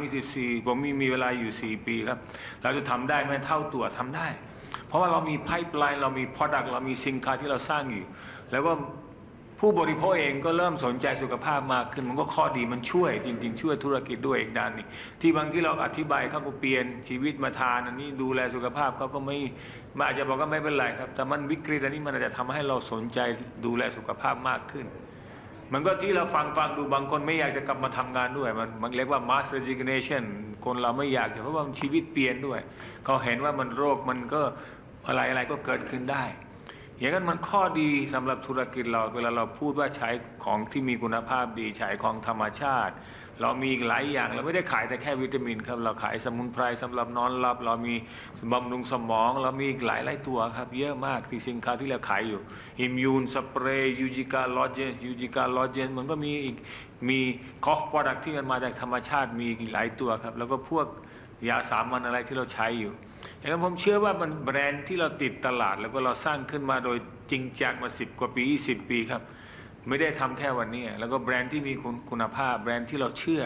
2024 ผมมีเวลาอยู่สี่ปีครับเราจะทำได้ไหมเท่าตัวทำได้เพราะว่าเรามี Pipeline เรามี Product เรามีสินค้าที่เราสร้างอยู่แล้วก็ผู้บริโภคเองก็เริ่มสนใจสุขภาพมากขึ้นมันก็ข้อดีมันช่วยจริงๆช่วยธุรกิจด้วยอีกด้านหนึ่งที่บางทีเราอธิบายเขาก็เปลี่ยนชีวิตมาทานอันนี้ดูแลสุขภาพเขาก็ไม่มันอาจจะบอกว่าไม่เป็นไรครับแต่มันวิกฤตอันนี้มันอาจจะทำให้เราสนใจดูแลสุขภาพมากขึ้นมันก็ที่เราฟังๆดูบางคนไม่อยากจะกลับมาทำงานด้วยมันเรียกว่า Mass Resignation คนเราไม่อยากจะเพราะว่าชีวิตเปลี่ยนด้วยเขาเห็นว่ามันโลกมันก็อะไรอะไรก็เกิดขึ้นได้อย่างนั้นมันข้อดีสำหรับธุรกิจเราเวลาเราพูดว่าใช้ของที่มีคุณภาพดีใช้ของธรรมชาติเรามีอีกหลายอย่างเราไม่ได้ขายแต่แค่วิตามินครับเราขายสมุนไพรสำหรับนอนหลับเรามีบำรุงสมองเรามีอีกหลายๆตัวครับเยอะมากคือสินค้าที่เราขายอยู่ Immune Spray, Eugica Lozenge มันก็มีอีกมี Core Product ที่มันมาจากธรรมชาติมีอีกหลายตัวครับแล้วก็พวกยาสามัญอะไรที่เราใช้อยู่อย่างนั้นผมเชื่อว่ามันแบรนด์ที่เราติดตลาดแล้วก็เราสร้างขึ้นมาโดยจริงจังมาสิบกว่าปียี่สิบปีครับไม่ได้ทำแค่วันนี้แล้วก็แบรนด์ที่มีคุณภาพแบรนด์ที่เราเชื่อ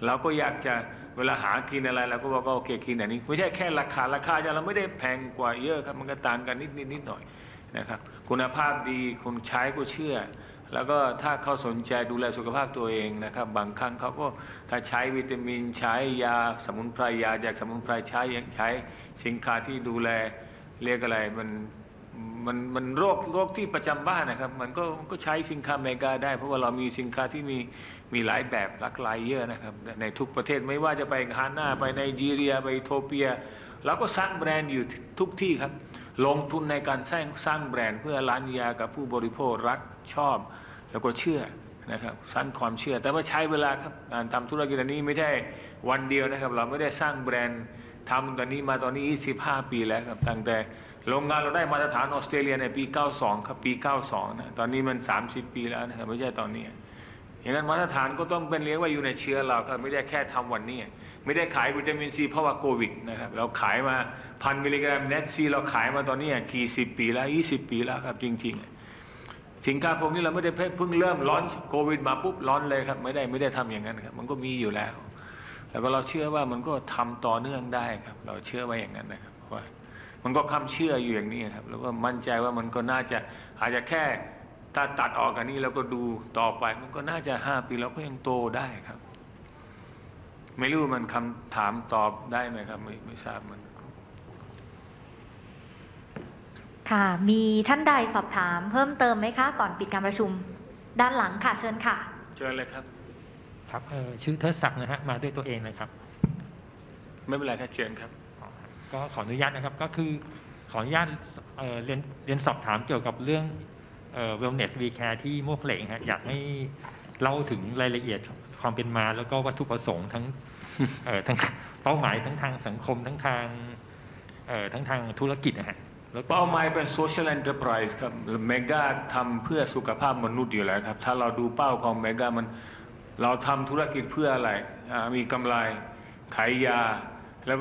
เราก็อยากจะเวลาหากินอะไรเราก็บอกว่าโอเคกินอันนี้ไม่ใช่แค่ราคาราคาจะเราไม่ได้แพงกว่าเยอะครับมันก็ต่างกันนิดๆหน่อยนะครับคุณภาพดีคนใช้ก็เชื่อแล้วก็ถ้าเขาสนใจดูแลสุขภาพตัวเองนะครับบางครั้งเขาก็ถ้าใช้วิตามินใช้ยาสมุนไพรยาจากสมุนไพรใช้สินค้าที่ดูแลเรียกอะไรมันมันโลกที่ประจำบ้านนะครับมันก็ใช้สินค้าเมก้าได้เพราะว่าเรามีสินค้าที่มีหลายแบบหลากหลายเยอะนะครับในทุกประเทศไม่ว่าจะไปกานาไปไนจีเรียไปเอธิโอเปียเราก็สร้างแบรนด์อยู่ทุกที่ครับลงทุนในการสร้างแบรนด์เพื่อร้านยากับผู้บริโภครักชอบแล้วก็เชื่อนะครับสร้างความเชื่อแต่ว่าใช้เวลาครับการทำธุรกิจอันนี้ไม่ใช่วันเดียวนะครับเราไม่ได้สร้างแบรนด์ทำตอนนี้มาตอนนี้ 25 ปีแล้วครับตั้งแต่โรงงานเราได้มาตรฐานออสเตรเลียในปี 1992 ครับปี 1992 นะตอนนี้มันสามสิบปีแล้วนะครับไม่ใช่ตอนนี้อย่างนั้นมาตรฐานก็ต้องเป็นเรียกว่าอยู่ในเชื้อเราครับไม่ได้แค่ทำวันนี้ไม่ได้ขายวิตามินซีเพราะว่าโควิดนะครับเราขายมา Nat C 1,000 มิลลิกรัมเราขายมาตอนนี้กี่สิบปีแล้วยี่สิบปีแล้วครับจริงๆสินค้าพวกนี้เราไม่ได้เพิ่งเริ่ม launch โควิดมาปุ๊บ launch เลยครับไม่ได้ทำอย่างนั้นครับมันก็มีอยู่แล้วแต่ว่าเราเชื่อว่ามันก็ทำต่อเนื่องได้ครับเราเชื่อว่าอย่างนั้นนะครับว่ามันก็ความเชื่ออยู่อย่างนี้ครับแล้วก็มั่นใจว่ามันก็น่าจะอาจจะแค่ถ้าตัดออกอันนี้แล้วก็ดูต่อไปมันก็น่าจะห้าปีแล้วก็ยังโตได้ครับไม่รู้มันคำถามตอบได้ไหมครับไม่ทราบเหมือนกันค่ะมีท่านใดสอบถามเพิ่มเติมไหมคะก่อนปิดการประชุมด้านหลังค่ะเชิญค่ะเชิญเลยครับครับชื่อเทอดศักดิ์นะฮะมาด้วยตัวเองเลยครับไม่เป็นไรครับเชิญครับขออนุญาตนะครับขออนุญาตเรียนสอบถามเกี่ยวกับเรื่อง Wellness We Care ที่มวกเหล็กฮะอยากให้เล่าถึงรายละเอียดความเป็นมาแล้วก็วัตถุประสงค์ทั้งเป้าหมายทั้งทางสังคมทั้งทางธุรกิจอ่ะฮะเป้าหมายเป็น Social Enterprise ครับเมก้าทำเพื่อสุขภาพมนุษย์อยู่แล้วครับถ้าเราดูเป้าของเมก้ามันเราทำธุรกิจเพื่ออะไรอ่ามีกำไรขายยาแล้วก็ปรารถนาว่ามีคนป่วยเยอะขึ้นไม่ใช่ครับเราอยากจะให้เมก้ามาช่วยคนมีสุขภาพดีด้วยครับแล้วก็สอนให้เราดูแลสุขภาพตัวเองได้นะครับอันที่หนึ่งอันนั้นเป็นปัจจัยปรารถนาของเราครับเพราะว่าให้ทำยังไงให้ We Care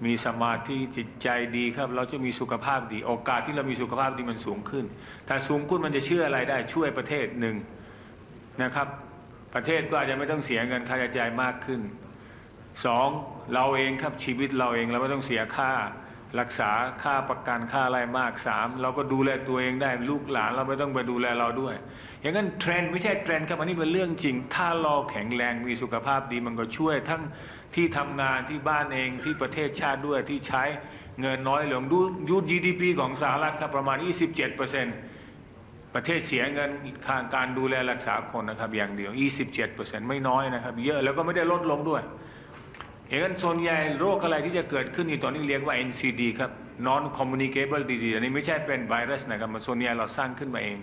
We Care หมายความว่าเราแคร์สำหรับสุขภาพมนุษย์แล้วก็เราพยายามให้ข้อมูลถ้าคุณไปดูแลตัวเองได้ทานอาหารเปลี่ยนได้ออกกำลังกายได้แล้วก็มีสมาธิจิตใจดีครับเราจะมีสุขภาพดีโอกาสที่เราจะมีสุขภาพดีมันสูงขึ้นถ้าสูงขึ้นมันจะช่วยอะไรได้ช่วยประเทศหนึ่งนะครับประเทศก็อาจจะไม่ต้องเสียเงินค่าใช้จ่ายมากขึ้นสองเราเองครับชีวิตเราเองเราไม่ต้องเสียค่ารักษาค่าประกันค่าอะไรมากสามเราก็ดูแลตัวเองได้ลูกหลานเราไม่ต้องไปดูแลเราด้วยอย่างนั้น trend ไม่ใช่ trend ครับอันนี้เป็นเรื่องจริงถ้าเราแข็งแรงมีสุขภาพดีมันก็ช่วยทั้งที่ทำงานที่บ้านเองที่ประเทศชาติด้วยที่ใช้เงินน้อยลงดู GDP ของสหรัฐครับประมาณ 27% ประเทศเสียเงินค่าการดูแลรักษาคนนะครับอย่างเดียว 27% ไม่น้อยนะครับเยอะแล้วก็ไม่ได้ลดลงด้วยเห็นงั้นส่วนใหญ่โรคอะไรที่จะเกิดขึ้นในตอนนี้เรียกว่า NCD ครับ Noncommunicable Disease อันนี้ไม่ใช่เป็นไวรัสนะครับมันส่วนใหญ่เราสร้างขึ้นมาเอง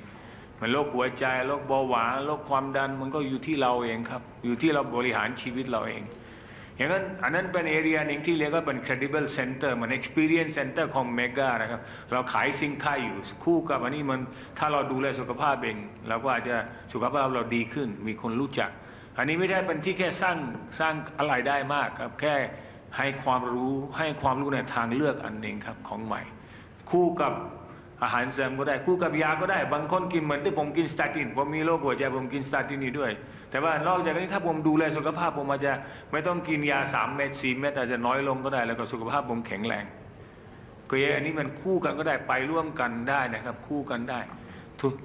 มันโรคหัวใจโรคเบาหวานโรคความดันมันก็อยู่ที่เราเองครับอยู่ที่เราบริหารชีวิตเราเองอย่างนั้นอันนั้นเป็น area หนึ่งที่เรียกว่าเป็น Credible Center เหมือน Experience Center ของเมก้านะครับเราขายสินค้าอยู่คู่กับอันนี้มันถ้าเราดูแลสุขภาพเองเราก็อาจจะสุขภาพเราดีขึ้นมีคนรู้จักอันนี้ไม่ได้เป็นที่แค่สร้างรายได้มากครับแค่ให้ความรู้ให้ความรู้ในทางเลือกอันหนึ่งครับของใหม่คู่กับอาหารเสริมก็ได้คู่กับยาก็ได้บางคนกินเหมือนที่ผมกิน Statin ผมมีโรคหัวใจผมกิน Statin อยู่ด้วยแต่ว่านอกจากนี้ถ้าผมดูแลสุขภาพผมอาจจะไม่ต้องกินยาสามเม็ดสี่เม็ดอาจจะน้อยลงก็ได้แล้วก็สุขภาพผมแข็งแรงก็อันนี้มันคู่กันก็ได้ไปร่วมกันได้นะครับคู่กันได้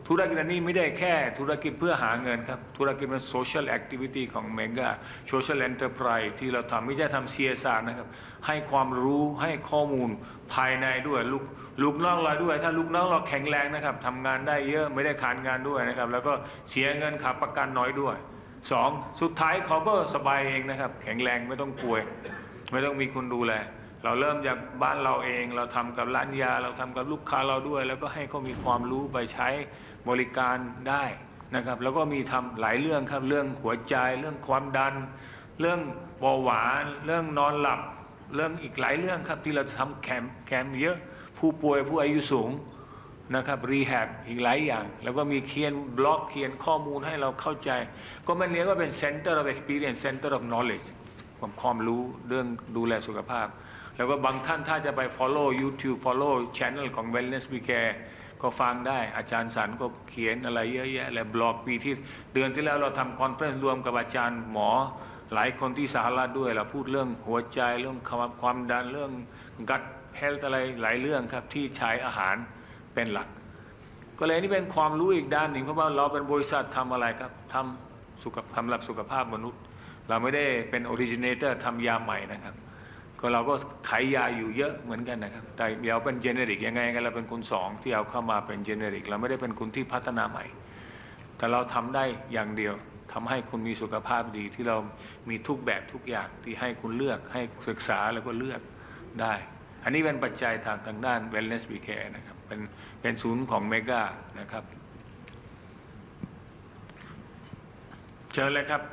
ธุรกิจอันนี้ไม่ได้แค่ธุรกิจเพื่อหาเงินครับธุรกิจมัน Social Activity ของเมก้า Social Enterprise ที่เราทำไม่ได้ทำเสียสากนะครับให้ความรู้ให้ข้อมูลภายในด้วยลูกลูกน้องเราด้วยถ้าลูกน้องเราแข็งแรงนะครับทำงานได้เยอะไม่ได้ขาดงานด้วยนะครับแล้วก็เสียเงินค่าประกันน้อยด้วยสองสุดท้ายเขาก็สบายเองนะครับแข็งแรงไม่ต้องป่วยไม่ต้องมีคนดูแลเราเริ่มจากบ้านเราเองเราทำกับร้านยาเราทำกับลูกค้าเราด้วยแล้วก็ให้เขามีความรู้ไปใช้บริการได้นะครับแล้วก็มีทำหลายเรื่องครับเรื่องหัวใจเรื่องความดันเรื่องเบาหวานเรื่องนอนหลับเรื่องอีกหลายเรื่องครับที่เราทำแคมป์แคมป์เยอะผู้ป่วยผู้อายุสูงนะครับ rehab อีกหลายอย่างแล้วก็มีเขียน blog เขียนข้อมูลให้เราเข้าใจก็มันเรียกว่าเป็น Center of Experience Center of Knowledge ความรู้เรื่องดูแลสุขภาพแล้วก็บางท่านถ้าจะไป follow YouTube follow channel ของ Wellness We Care ก็ฟังได้อาจารย์สันต์ก็เขียนอะไรเยอะแยะเลย blog ปีที่เดือนที่แล้วเราทำ conference รวมกับอาจารย์หมอหลายคนที่สหรัฐด้วยเราพูดเรื่องหัวใจเรื่องความดันเรื่อง Gut Health อะไรหลายเรื่องครับที่ใช้อาหารเป็นหลักก็เลยนี่เป็นความรู้อีกด้านหนึ่งเพราะว่าเราเป็นบริษัทที่ทำอะไรครับทำสุขสำหรับสุขภาพมนุษย์เราไม่ได้เป็น Originator ทำยาใหม่นะครับก็เราก็ขายยาอยู่เยอะเหมือนกันนะครับแต่เดี๋ยวเป็น Generic ยังไงเราเป็นคนสองที่เอาเข้ามาเป็น Generic เราไม่ได้เป็นคนที่พัฒนาใหม่แต่เราทำได้อย่างเดียวทำให้คนมีสุขภาพดีที่เรามีทุกแบบทุกอย่างที่ให้คุณเลือกให้ศึกษาแล้วก็เลือกได้อันนี้เป็นปัจจัยทางด้าน Wellness We Care นะครับเป็นศูนย์ของเมก้านะครับเชิญเลยครับ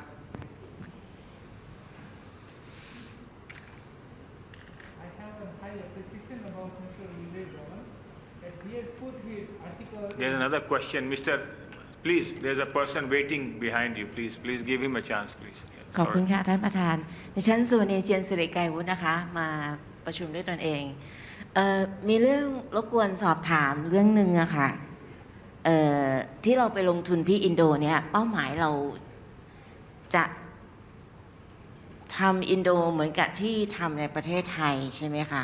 I have a high appreciation about Mr. Vivek Dhawan as he has put his article. There's another question. Mister, please, there's a person waiting behind you. Please give him a chance, please. ขอบคุณค่ะท่านประธานดิฉันสุวณีเจียรสิริไกรวุฒินะคะมาประชุมด้วยตนเองมีเรื่องรบกวนสอบถามเรื่องหนึ่งอ่ะค่ะที่เราไปลงทุนที่อินโดเนียเป้าหมายเราจะทำอินโดเหมือนกับที่ทำในประเทศไทยใช่ไหมคะ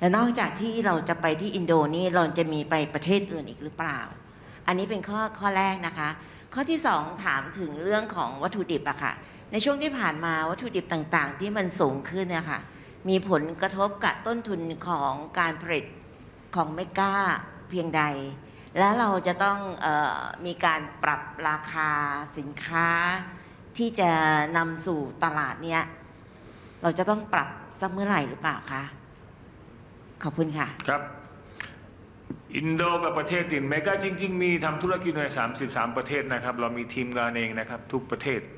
และนอกจากที่เราจะไปที่อินโดนี่เราจะมีไปประเทศอื่นอีกหรือเปล่าอันนี้เป็นข้อแรกนะคะข้อที่สองถามถึงเรื่องของวัตถุดิบอ่ะค่ะในช่วงที่ผ่านมาวัตถุดิบต่างๆที่มันสูงขึ้นน่ะค่ะมีผลกระทบกับต้นทุนของการผลิตของ Mega เพียงใดแล้วเราจะต้องมีการปรับราคาสินค้าที่จะนำสู่ตลาดเนี่ยเราจะต้องปรับสักเมื่อไหร่หรือเปล่าคะขอบคุณค่ะอินโดกับประเทศอื่น Mega จริงๆมีทำธุรกิจอยู่ในสามสิบสามประเทศนะครับเรามีทีมงานเองนะครับทุกประเทศเราไม่ได้จ้างคนอื่นเราไม่ได้ใช้ agent agent เป็นอีกคนละแบบบางคนทำใช้ Agent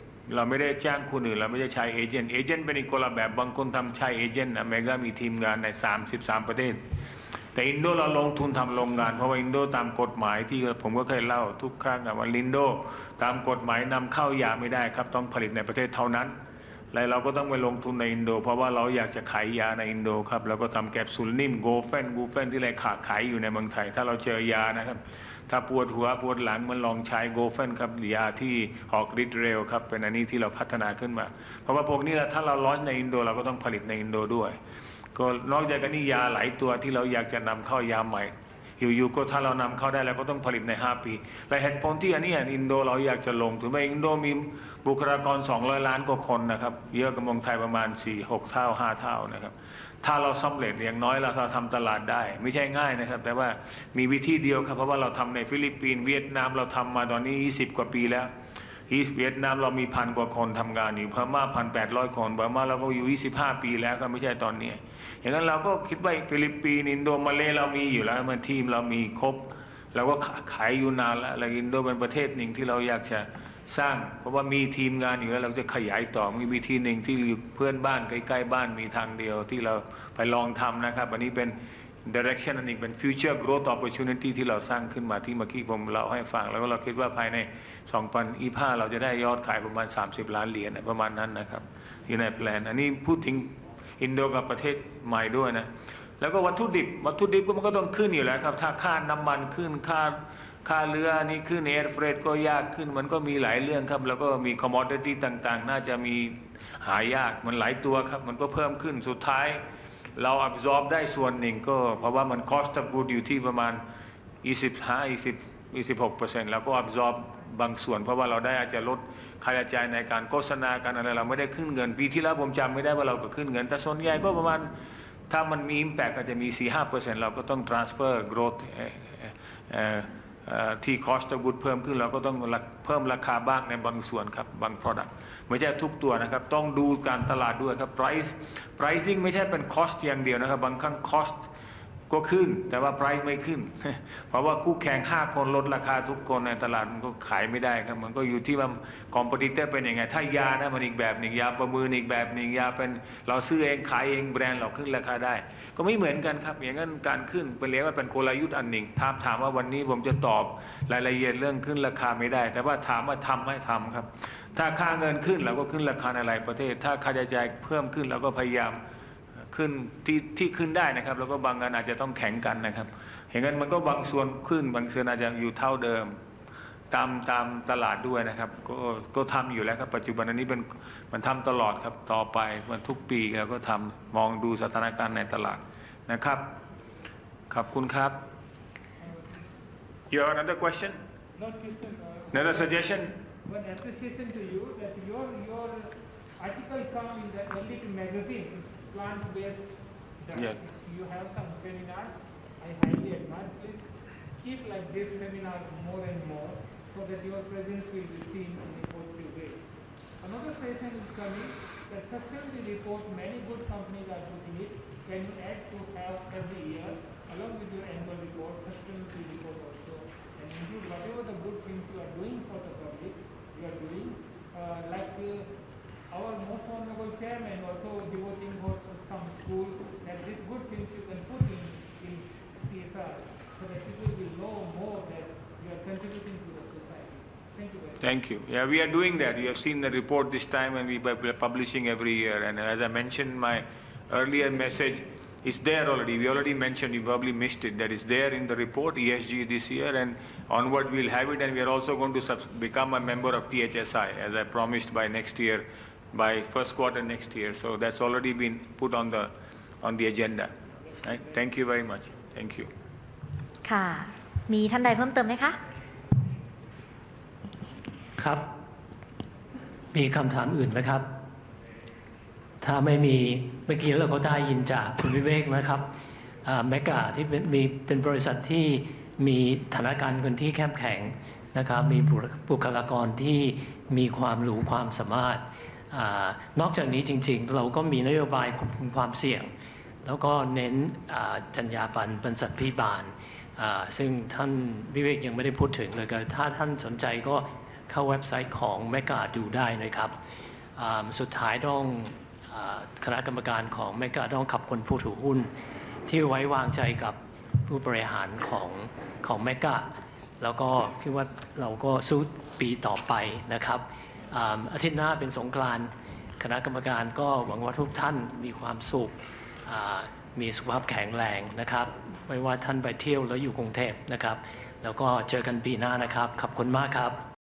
นะ Mega มีทีมงานในสามสิบสามประเทศแต่อินโดเราลงทุนทำโรงงานเพราะว่าอินโดตามกฎหมายที่ผมก็เคยเล่าทุกครั้งครับว่าอินโดตามกฎหมายนำเข้ายาไม่ได้ครับต้องผลิตในประเทศเท่านั้นและเราก็ต้องไปลงทุนในอินโดเพราะว่าเราอยากจะขายยาในอินโดครับเราก็ทำแคปซูลนิ่ม Gofen Gofen ที่แรกขายอยู่ในเมืองไทยถ้าเราเจอยานะครับถ้าปวดหัวปวดหลังมาลองใช้ Gofen ครับยาที่ออกฤทธิ์เร็วครับเป็นอันนี้ที่เราพัฒนาขึ้นมาเพราะว่าพวกนี้แหละถ้าเรา launch ในอินโดเราก็ต้องผลิตในอินโดด้วยนอกจากนี้ยาหลายตัวที่เราอยากจะนำเข้ายาใหม่อยู่ๆก็ถ้าเรานำเข้าได้เราก็ต้องผลิตในห้าปีแต่เหตุผลที่อันนี้อินโดเราอยากจะลงทุนเพราะอินโดมีบุคลากรสองร้อยล้านกว่าคนนะครับเยอะกว่าเมืองไทยประมาณสี่ถึงห้าเท่านะครับถ้าเราสำเร็จอย่างน้อยเราก็ทำตลาดได้ไม่ใช่ง่ายนะครับแต่ว่ามีวิธีเดียวครับเพราะว่าเราทำในฟิลิปปินส์เวียดนามเราทำมาตอนนี้ยี่สิบกว่าปีแล้วยี่สิบเวียดนามเรามีพันกว่าคนทำงานอยู่พม่าพันแปดร้อยคนพม่าเราก็อยู่ยี่สิบห้าปีแล้วก็ไม่ใช่ตอนนี้อย่างนั้นเราก็คิดว่าฟิลิปปินส์อินโดมาเลย์เรามีอยู่แล้วทีมเราครบเราก็ขายอยู่นานแล้วและอินโดเป็นประเทศหนึ่งที่เราอยากจะสร้างเพราะว่ามีทีมงานอยู่แล้วเราจะขยายต่อมีวิธีหนึ่งที่เพื่อนบ้านใกล้ๆบ้านมีทางเดียวที่เราไปลองทำนะครับอันนี้เป็น direction อันนี้เป็น future growth opportunity ที่เราสร้างขึ้นมาที่เมื่อกี้ผมเล่าให้ฟังแล้วเราคิดว่าภายใน 2025 เราจะได้ยอดขายประมาณ USD 30 ล้านประมาณนั้นนะครับอยู่ใน Plan อันนี้พูดถึงอินโดกับประเทศใหม่ด้วยนะแล้วก็วัตถุดิบวัตถุดิบมันก็ต้องขึ้นอยู่แล้วครับถ้าค่าน้ำมันขึ้นค่าเรือนี้ขึ้น Air Freight ก็ยากขึ้นมันก็มีหลายเรื่องครับแล้วก็มี Commodity ต่างๆน่าจะมีหายากมันหลายตัวครับมันก็เพิ่มขึ้นสุดท้ายเรา Absorb ได้ส่วนหนึ่งก็เพราะว่ามัน cost of goods อยู่ที่ประมาณ 25%-26% เราก็ absorb บางส่วนเพราะว่าเราได้อาจจะลดค่าใช้จ่ายในการโฆษณาการอะไรเราไม่ได้ขึ้นเงินปีที่แล้วผมจำไม่ได้ว่าเราก็ขึ้นเงินแต่ส่วนใหญ่ก็ประมาณถ้ามัน impact อาจจะมี 4%-5% เราก็ต้อง transfer cost of goods เพิ่มขึ้นเราก็ต้องเพิ่มราคาบ้างในบางส่วนครับบาง product ไม่ใช่ทุกตัวนะครับต้องดูการตลาดด้วยครับ pricing ไม่ใช่เป็น cost อย่างเดียวนะครับบางครั้ง cost ก็ขึ้นแต่ว่า price ไม่ขึ้นเพราะว่าคู่แข่งห้าคนลดราคาทุกคนในตลาดมันก็ขายไม่ได้ครับมันก็อยู่ที่ว่า competitor เป็นยังไงถ้ายานะมันอีกแบบหนึ่งยาประมวลอีกแบบหนึ่งยาเป็นเราซื้อเองขายเองแบรนด์เราขึ้นราคาได้ก็ไม่เหมือนกันครับอย่างนั้นการขึ้นเป็นแล้วเป็นกลยุทธ์อันหนึ่งถ้าถามว่าวันนี้ผมจะตอบรายละเอียดเรื่องขึ้นราคาไม่ได้แต่ว่าถามว่าทำไหมทำครับถ้าค่าเงินขึ้นเราก็ขึ้นราคาในหลายประเทศถ้าค่าใช้จ่ายเพิ่มขึ้นเราก็พยายามขึ้นที่ที่ขึ้นได้นะครับแล้วก็บางอันอาจจะต้องแข็งกันนะครับอย่างนั้นมันก็บางส่วนขึ้นบางส่วนอาจจะอยู่เท่าเดิมตามตลาดด้วยนะครับก็ทำอยู่แล้วครับปัจจุบันอันนี้เป็นมันทำตลอดครับต่อไปทุกปีเราก็ทำมองดูสถานการณ์ในตลาดนะครับขอบคุณครับ Another suggestion. One suggestion to you that your article in the Elite+ Magazine is plant-based diet. You have some seminar. I highly advise please keep like this seminar more and more so that your presence will be seen in a positive way. Another suggestion is coming that sustainability report many good companies are putting it. Can you add to have every year along with your annual report sustainability report also can include whatever the good things you are doing for the public you are doing. Like our most honorable Chairman also devoting work for some schools that these good things you can put in CSR so that people will know more that you are contributing to the society. Thank you very much. Thank you. Yeah, we are doing that. You have seen the report this time and we are publishing every year. As I mentioned in my earlier message, it's there already. We already mentioned, you probably missed it. That is there in the report ESG this year and onward we will have it and we are also going to become a member of THSI as I promised by next year by first quarter next year. That's already been put on the agenda. Thank you very much. Thank you. มีท่านใดเพิ่มเติมไหมคะมีคำถามอื่นไหมครับถ้าไม่มีเมื่อกี้เราก็ได้ยินจากคุณวิเวกนะครับอ่า Mega ที่เป็นมีเป็นบริษัทที่มีฐานะการเงินที่เข้มแข็งนะครับมีบุคลากรที่มีความรู้ความสามารถอ่านอกจากนี้จริงๆเราก็มีนโยบายควบคุมความเสี่ยงแล้วก็เน้นจรรยาบรรณบริษัทพี่บาลอ่าซึ่งท่านวิเวกยังไม่ได้พูดถึงเลยถ้าท่านสนใจก็เข้าเว็บไซต์ของ Mega ดูได้นะครับอ่าสุดท้ายต้องอ่าคณะกรรมการของ Mega ต้องขอบคุณผู้ถือหุ้นที่ไว้วางใจกับผู้บริหารของ Mega แล้วก็คิดว่าเราก็สู้ปีต่อไปนะครับอ่าอาทิตย์หน้าเป็นสงกรานต์คณะกรรมการก็หวังว่าทุกท่านมีความสุขอ่ามีสุขภาพแข็งแรงนะครับไม่ว่าท่านไปเที่ยวหรืออยู่กรุงเทพนะครับแล้วก็เจอกันปีหน้านะครับขอบคุณมากครับ